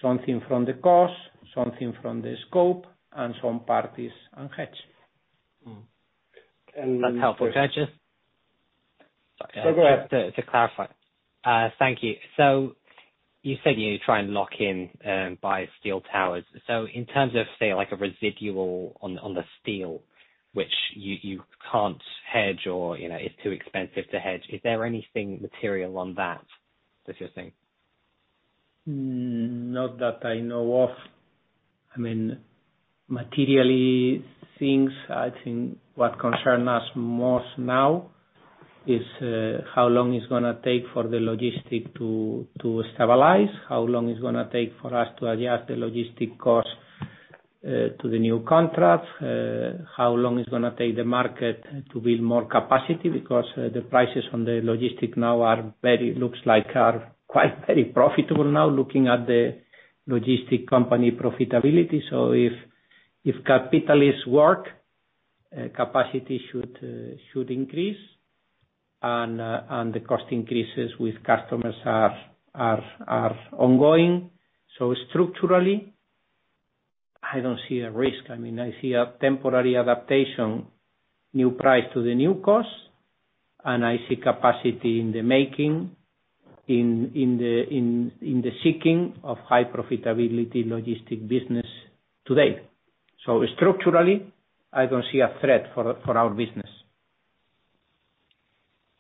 Speaker 2: something from the cost, something from the scope, and some parties on hedge.
Speaker 9: That's helpful. Can I just?
Speaker 2: Go ahead.
Speaker 9: To clarify. Thank you. You said you try and lock in by steel towers. In terms of, say, like a residual on the steel, which you can't hedge or it's too expensive to hedge, is there anything material on that you're seeing?
Speaker 2: Not that I know of. Materially, things, I think what concern us most now is how long it's going to take for the logistic to stabilize, how long it's going to take for us to adjust the logistic cost to the new contracts, how long it's going to take the market to build more capacity, because the prices on the logistic now looks like are quite very profitable now, looking at the logistic company profitability. If capitalists work, capacity should increase, and the cost increases with customers are ongoing. Structurally, I don't see a risk. I see a temporary adaptation, new price to the new cost, and I see capacity in the making, in the seeking of high profitability logistic business today. Structurally, I don't see a threat for our business.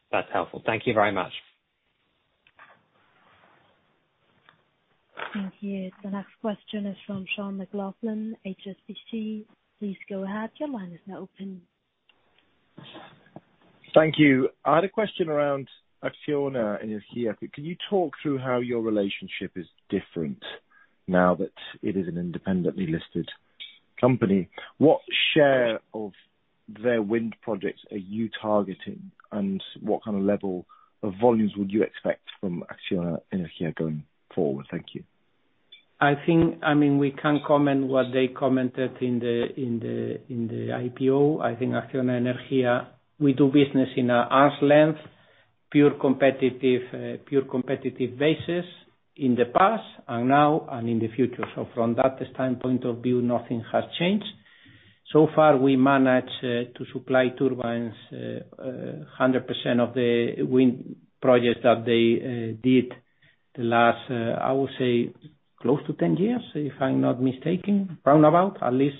Speaker 9: That's helpful. Thank you very much.
Speaker 5: Thank you. The next question is from Sean McLoughlin, HSBC. Please go ahead. Your line is now open.
Speaker 10: Thank you. I had a question around ACCIONA Energía. Can you talk through how your relationship is different now that it is an independently listed company? What share of their wind projects are you targeting, and what kind of level of volumes would you expect from ACCIONA Energía going forward? Thank you.
Speaker 2: We can comment what they commented in the IPO. I think Acciona Energia, we do business in an arm's length, pure competitive basis in the past and now and in the future. From that standpoint of view, nothing has changed. Far, we managed to supply turbines 100% of the wind projects that they did the last, I would say, close to 10 years, if I am not mistaken, round about at least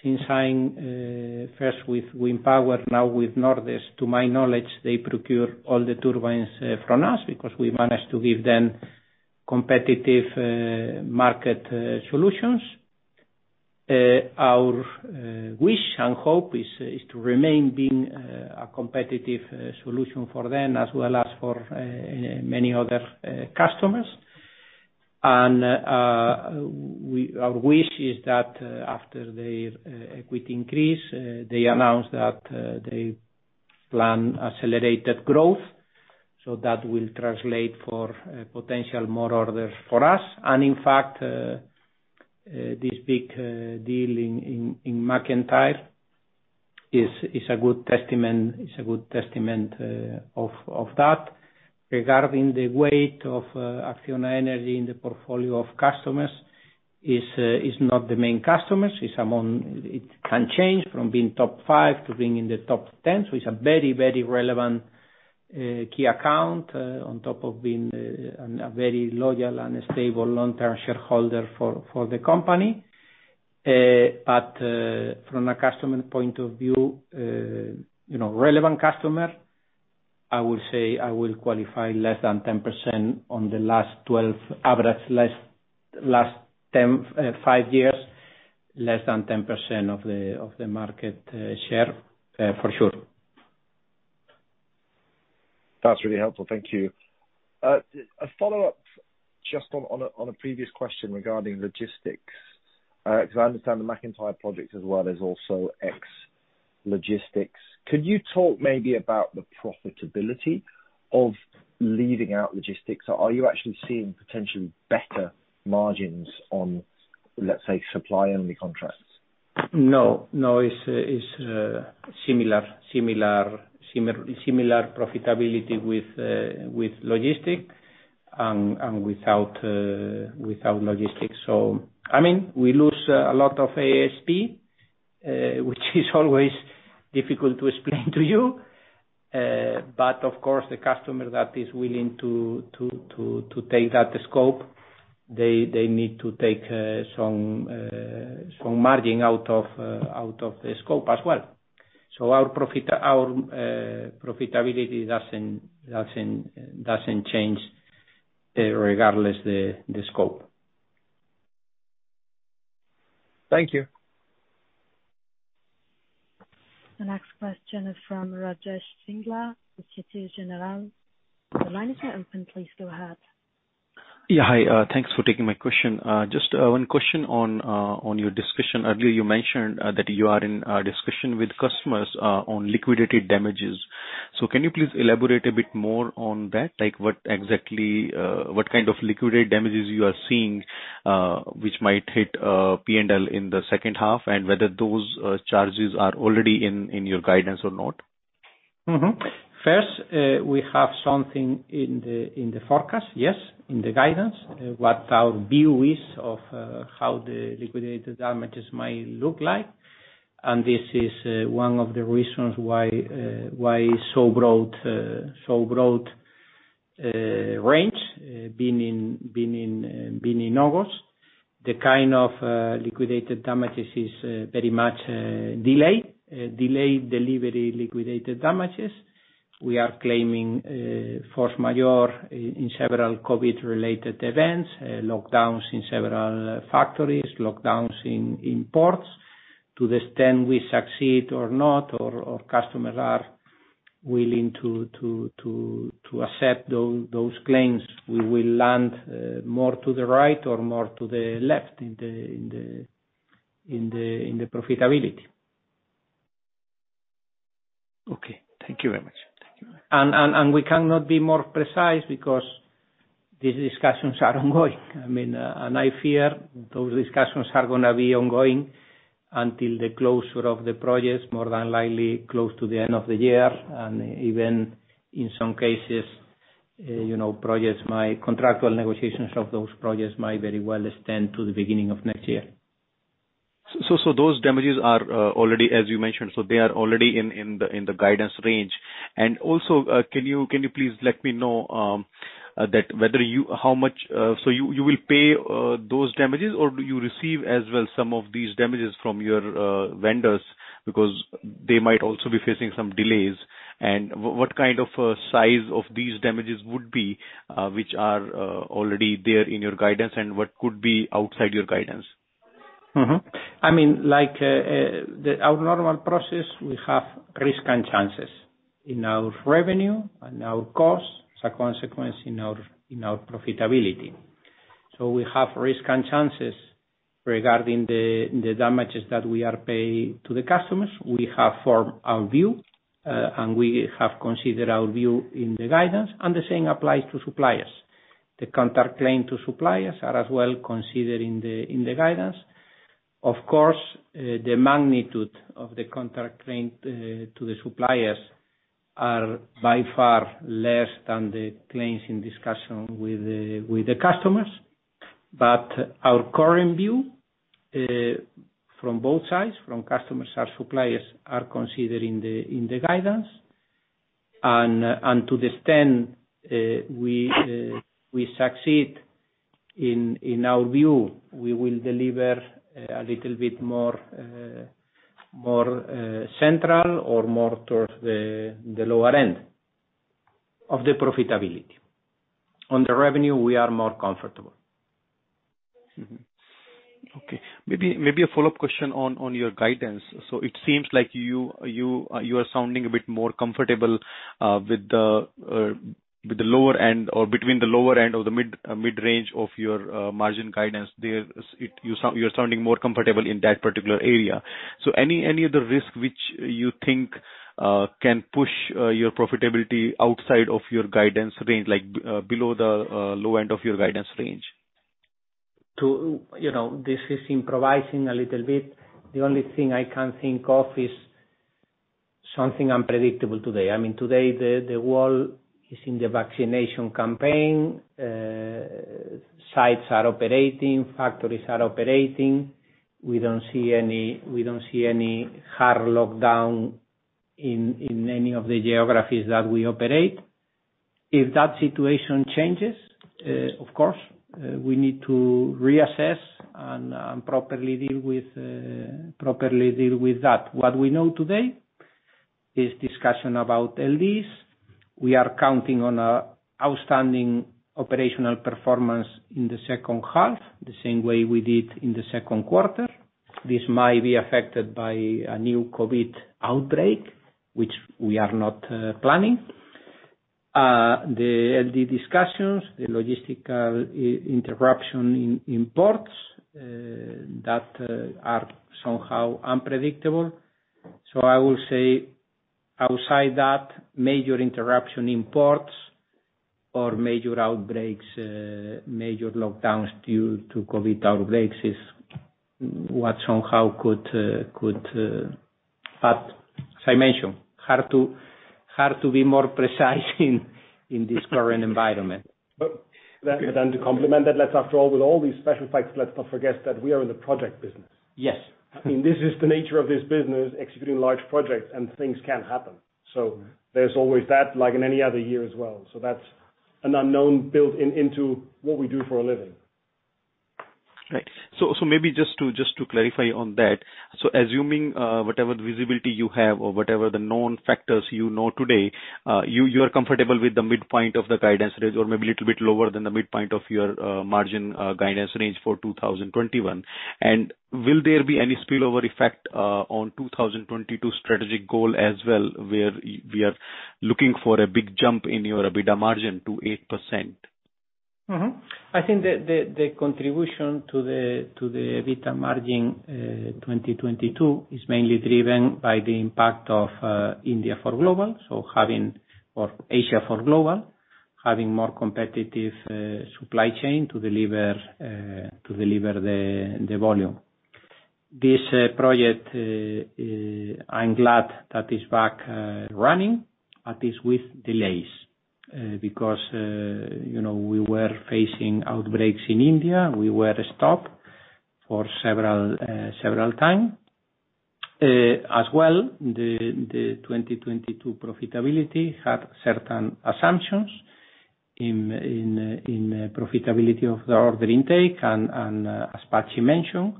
Speaker 2: since I first with Windpower, now with Nordex. To my knowledge, they procure all the turbines from us because we managed to give them competitive market solutions. Our wish and hope is to remain being a competitive solution for them, as well as for many other customers. Our wish is that after their equity increase, they announce that they plan accelerated growth. That will translate for potential more orders for us. In fact, this big deal in MacIntyre is a good testament of that. Regarding the weight of ACCIONA Energía in the portfolio of customers is not the main customers. It can change from being top 5 to being in the top 10. It's a very relevant key account, on top of being a very loyal and stable long-term shareholder for the company. From a customer point of view, relevant customer, I would say I will qualify less than 10% on the last 12 average, less last 10, five years, less than 10% of the market share, for sure.
Speaker 10: That's really helpful. Thank you. A follow-up just on a previous question regarding logistics, because I understand the MacIntyre project as well is also ex-logistics. Could you talk maybe about the profitability of leaving out logistics? Are you actually seeing potentially better margins on, let's say, supply-only contracts?
Speaker 2: No. It's similar profitability with logistics and without logistics. We lose a lot of ASP, which is always difficult to explain to you. Of course, the customer that is willing to take that scope, they need to take some margin out of the scope as well. Our profitability doesn't change regardless the scope.
Speaker 10: Thank you.
Speaker 5: The next question is from Rajesh Singla with Societe Generale. The line is now open. Please go ahead.
Speaker 11: Hi, thanks for taking my question. Just one question on your discussion earlier. You mentioned that you are in a discussion with customers on Liquidated Damages. Can you please elaborate a bit more on that? Like what exactly, what kind of Liquidated Damages you are seeing, which might hit P&L in the second half, and whether those charges are already in your guidance or not?
Speaker 2: We have something in the forecast, yes, in the guidance, what our view is of how the liquidated damages might look like. This is one of the reasons why so broad range being in August. The kind of liquidated damages is very much delayed delivery liquidated damages. We are claiming force majeure in several COVID-related events, lockdowns in several factories, lockdowns in ports. To the extent we succeed or not, or customers are willing to accept those claims, we will land more to the right or more to the left in the profitability.
Speaker 11: Okay. Thank you very much.
Speaker 2: We cannot be more precise because these discussions are ongoing. I fear those discussions are going to be ongoing until the closure of the projects, more than likely close to the end of the year. Even in some cases, contractual negotiations of those projects might very well extend to the beginning of next year.
Speaker 11: Those damages are already, as you mentioned, they are already in the guidance range. Can you please let me know that whether how much you will pay those damages or do you receive as well some of these damages from your vendors because they might also be facing some delays? What kind of size of these damages would be, which are already there in your guidance, and what could be outside your guidance?
Speaker 2: Our normal process, we have risk and chances in our revenue and our cost, as a consequence in our profitability. We have risk and chances regarding the damages that we are paying to the customers. We have formed our view, and we have considered our view in the guidance, and the same applies to suppliers. The counterclaim to suppliers are as well considered in the guidance. Of course, the magnitude of the counterclaim to the suppliers are by far less than the claims in discussion with the customers. Our current view, from both sides, from customers and suppliers, are considered in the guidance. To the extent we succeed in our view, we will deliver a little bit more central or more towards the lower end of the profitability. On the revenue, we are more comfortable.
Speaker 11: Okay. Maybe a follow-up question on your guidance. It seems like you are sounding a bit more comfortable with the lower end or between the lower end of the mid-range of your margin guidance there. You're sounding more comfortable in that particular area. Any of the risk which you think can push your profitability outside of your guidance range, below the low end of your guidance range?
Speaker 2: This is improvising a little bit. The only thing I can think of is something unpredictable today. Today, the world is in the vaccination campaign, sites are operating, factories are operating. We don't see any hard lockdown in any of the geographies that we operate. If that situation changes, of course, we need to reassess and properly deal with that. What we know today is discussion about LDs. We are counting on outstanding operational performance in the second half, the same way we did in the second quarter. This might be affected by a new COVID-19 outbreak, which we are not planning. The LD discussions, the logistical interruption in ports, that are somehow unpredictable. I will say, outside that, major interruption in ports or major outbreaks, major lockdowns due to COVID-19 outbreaks is what somehow. As I mentioned, hard to be more precise in this current environment.
Speaker 4: To complement that, let's after all, with all these special factors, let's not forget that we are in the project business.
Speaker 2: Yes.
Speaker 4: This is the nature of this business, executing large projects, and things can happen. There's always that, like in any other year as well. That's an unknown built into what we do for a living.
Speaker 11: Right. Maybe just to clarify on that. Assuming whatever visibility you have or whatever the known factors you know today, you are comfortable with the midpoint of the guidance range or maybe a little bit lower than the midpoint of your margin guidance range for 2021. Will there be any spillover effect on 2022 strategic goal as well, where we are looking for a big jump in your EBITDA margin to 8%?
Speaker 2: I think the contribution to the EBITDA margin 2022 is mainly driven by the impact of India for global. Having or Asia for global, having more competitive supply chain to deliver the volume. This project, I am glad that it is back running, but is with delays. We were facing outbreaks in India. We were stopped for several time. The 2022 profitability had certain assumptions in profitability of the order intake and, as Patxi mentioned,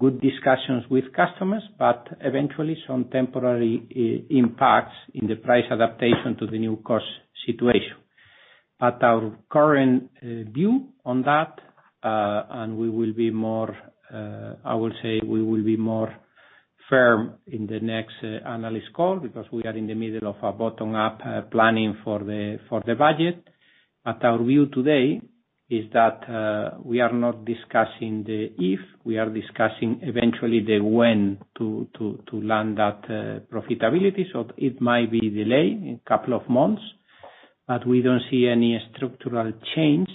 Speaker 2: good discussions with customers, but eventually some temporary impacts in the price adaptation to the new cost situation. Our current view on that, and we will be more, I would say we will be more firm in the next analyst call, because we are in the middle of a bottom-up planning for the budget. Our view today is that we are not discussing the if, we are discussing eventually the when to land that profitability. It might be delayed a couple of months, but we don't see any structural change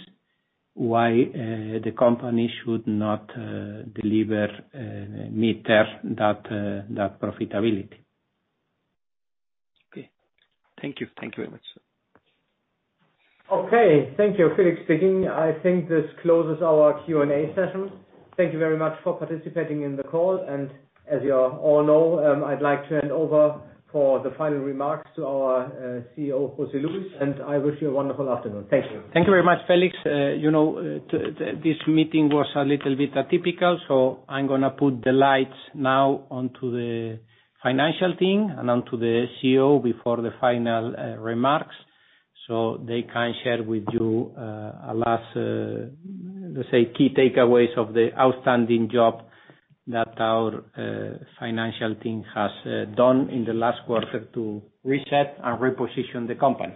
Speaker 2: why the company should not deliver, meet that profitability.
Speaker 11: Okay. Thank you. Thank you very much.
Speaker 1: Okay. Thank you. Felix speaking. I think this closes our Q&A session. Thank you very much for participating in the call. As you all know, I'd like to hand over for the final remarks to our CEO, José Luis. I wish you a wonderful afternoon. Thank you.
Speaker 2: Thank you very much, Felix. This meeting was a little bit atypical. I'm going to put the lights now onto the financial team and onto the CEO before the final remarks so they can share with you a last, let's say, key takeaways of the outstanding job that our financial team has done in the last quarter to reset and reposition the company.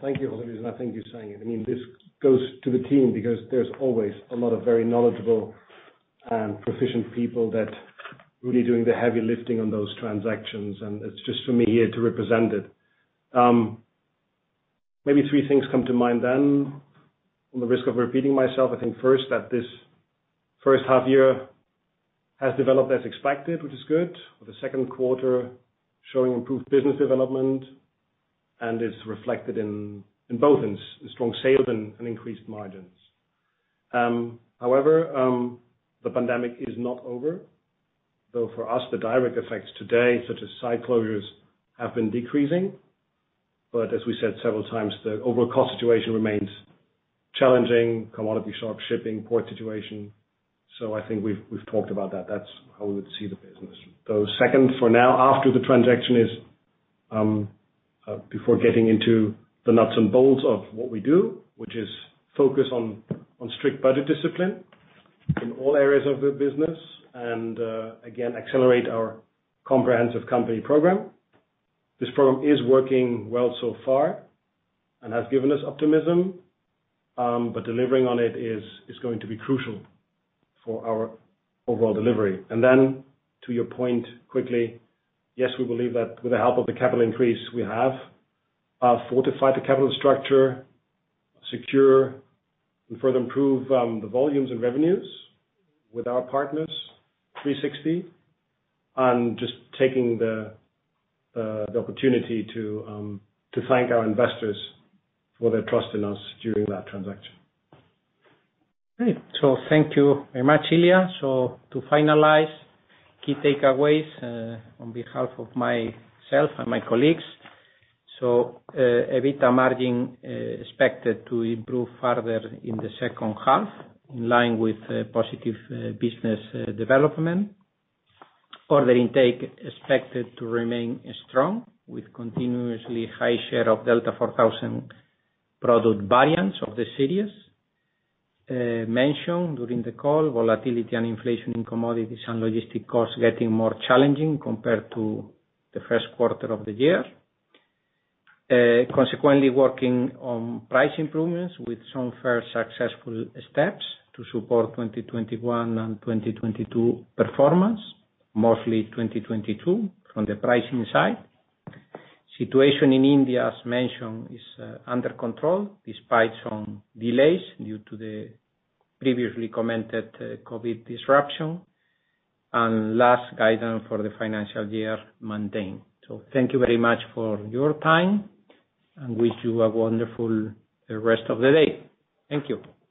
Speaker 4: Thank you, José Luis. I think you're saying it. This goes to the team because there's always a lot of very knowledgeable and proficient people that are really doing the heavy lifting on those transactions. It's just for me here to represent it. Maybe three things come to mind. On the risk of repeating myself, I think first that this first half year has developed as expected, which is good, with the second quarter showing improved business development and is reflected in both in strong sales and increased margins. The pandemic is not over, though for us, the direct effects today, such as site closures, have been decreasing. As we said several times, the overall cost situation remains challenging. Commodity, shop, shipping, port situation. I think we've talked about that. That's how we would see the business. Second, for now, after the transaction, before getting into the nuts and bolts of what we do, which is focus on strict budget discipline in all areas of the business and, again, accelerate our comprehensive company program. This program is working well so far and has given us optimism. Delivering on it is going to be crucial for our overall delivery. To your point, quickly, yes, we believe that with the help of the capital increase, we have fortified the capital structure, secure and further improve the volumes and revenues with our partners, 360, and just taking the opportunity to thank our investors for their trust in us during that transaction.
Speaker 2: Great. Thank you very much, Ilya. To finalize key takeaways, on behalf of myself and my colleagues. EBITDA margin expected to improve further in the second half, in line with positive business development. Order intake expected to remain strong with continuously high share of Delta4000 product variants of the series. Mentioned during the call, volatility and inflation in commodities and logistic costs getting more challenging compared to the first quarter of the year. Consequently, working on price improvements with some fair successful steps to support 2021 and 2022 performance, mostly 2022 from the pricing side. Situation in India, as mentioned, is under control despite some delays due to the previously commented COVID disruption. Last guidance for the financial year maintain. Thank you very much for your time and wish you a wonderful rest of the day. Thank you.
Speaker 4: Thank you.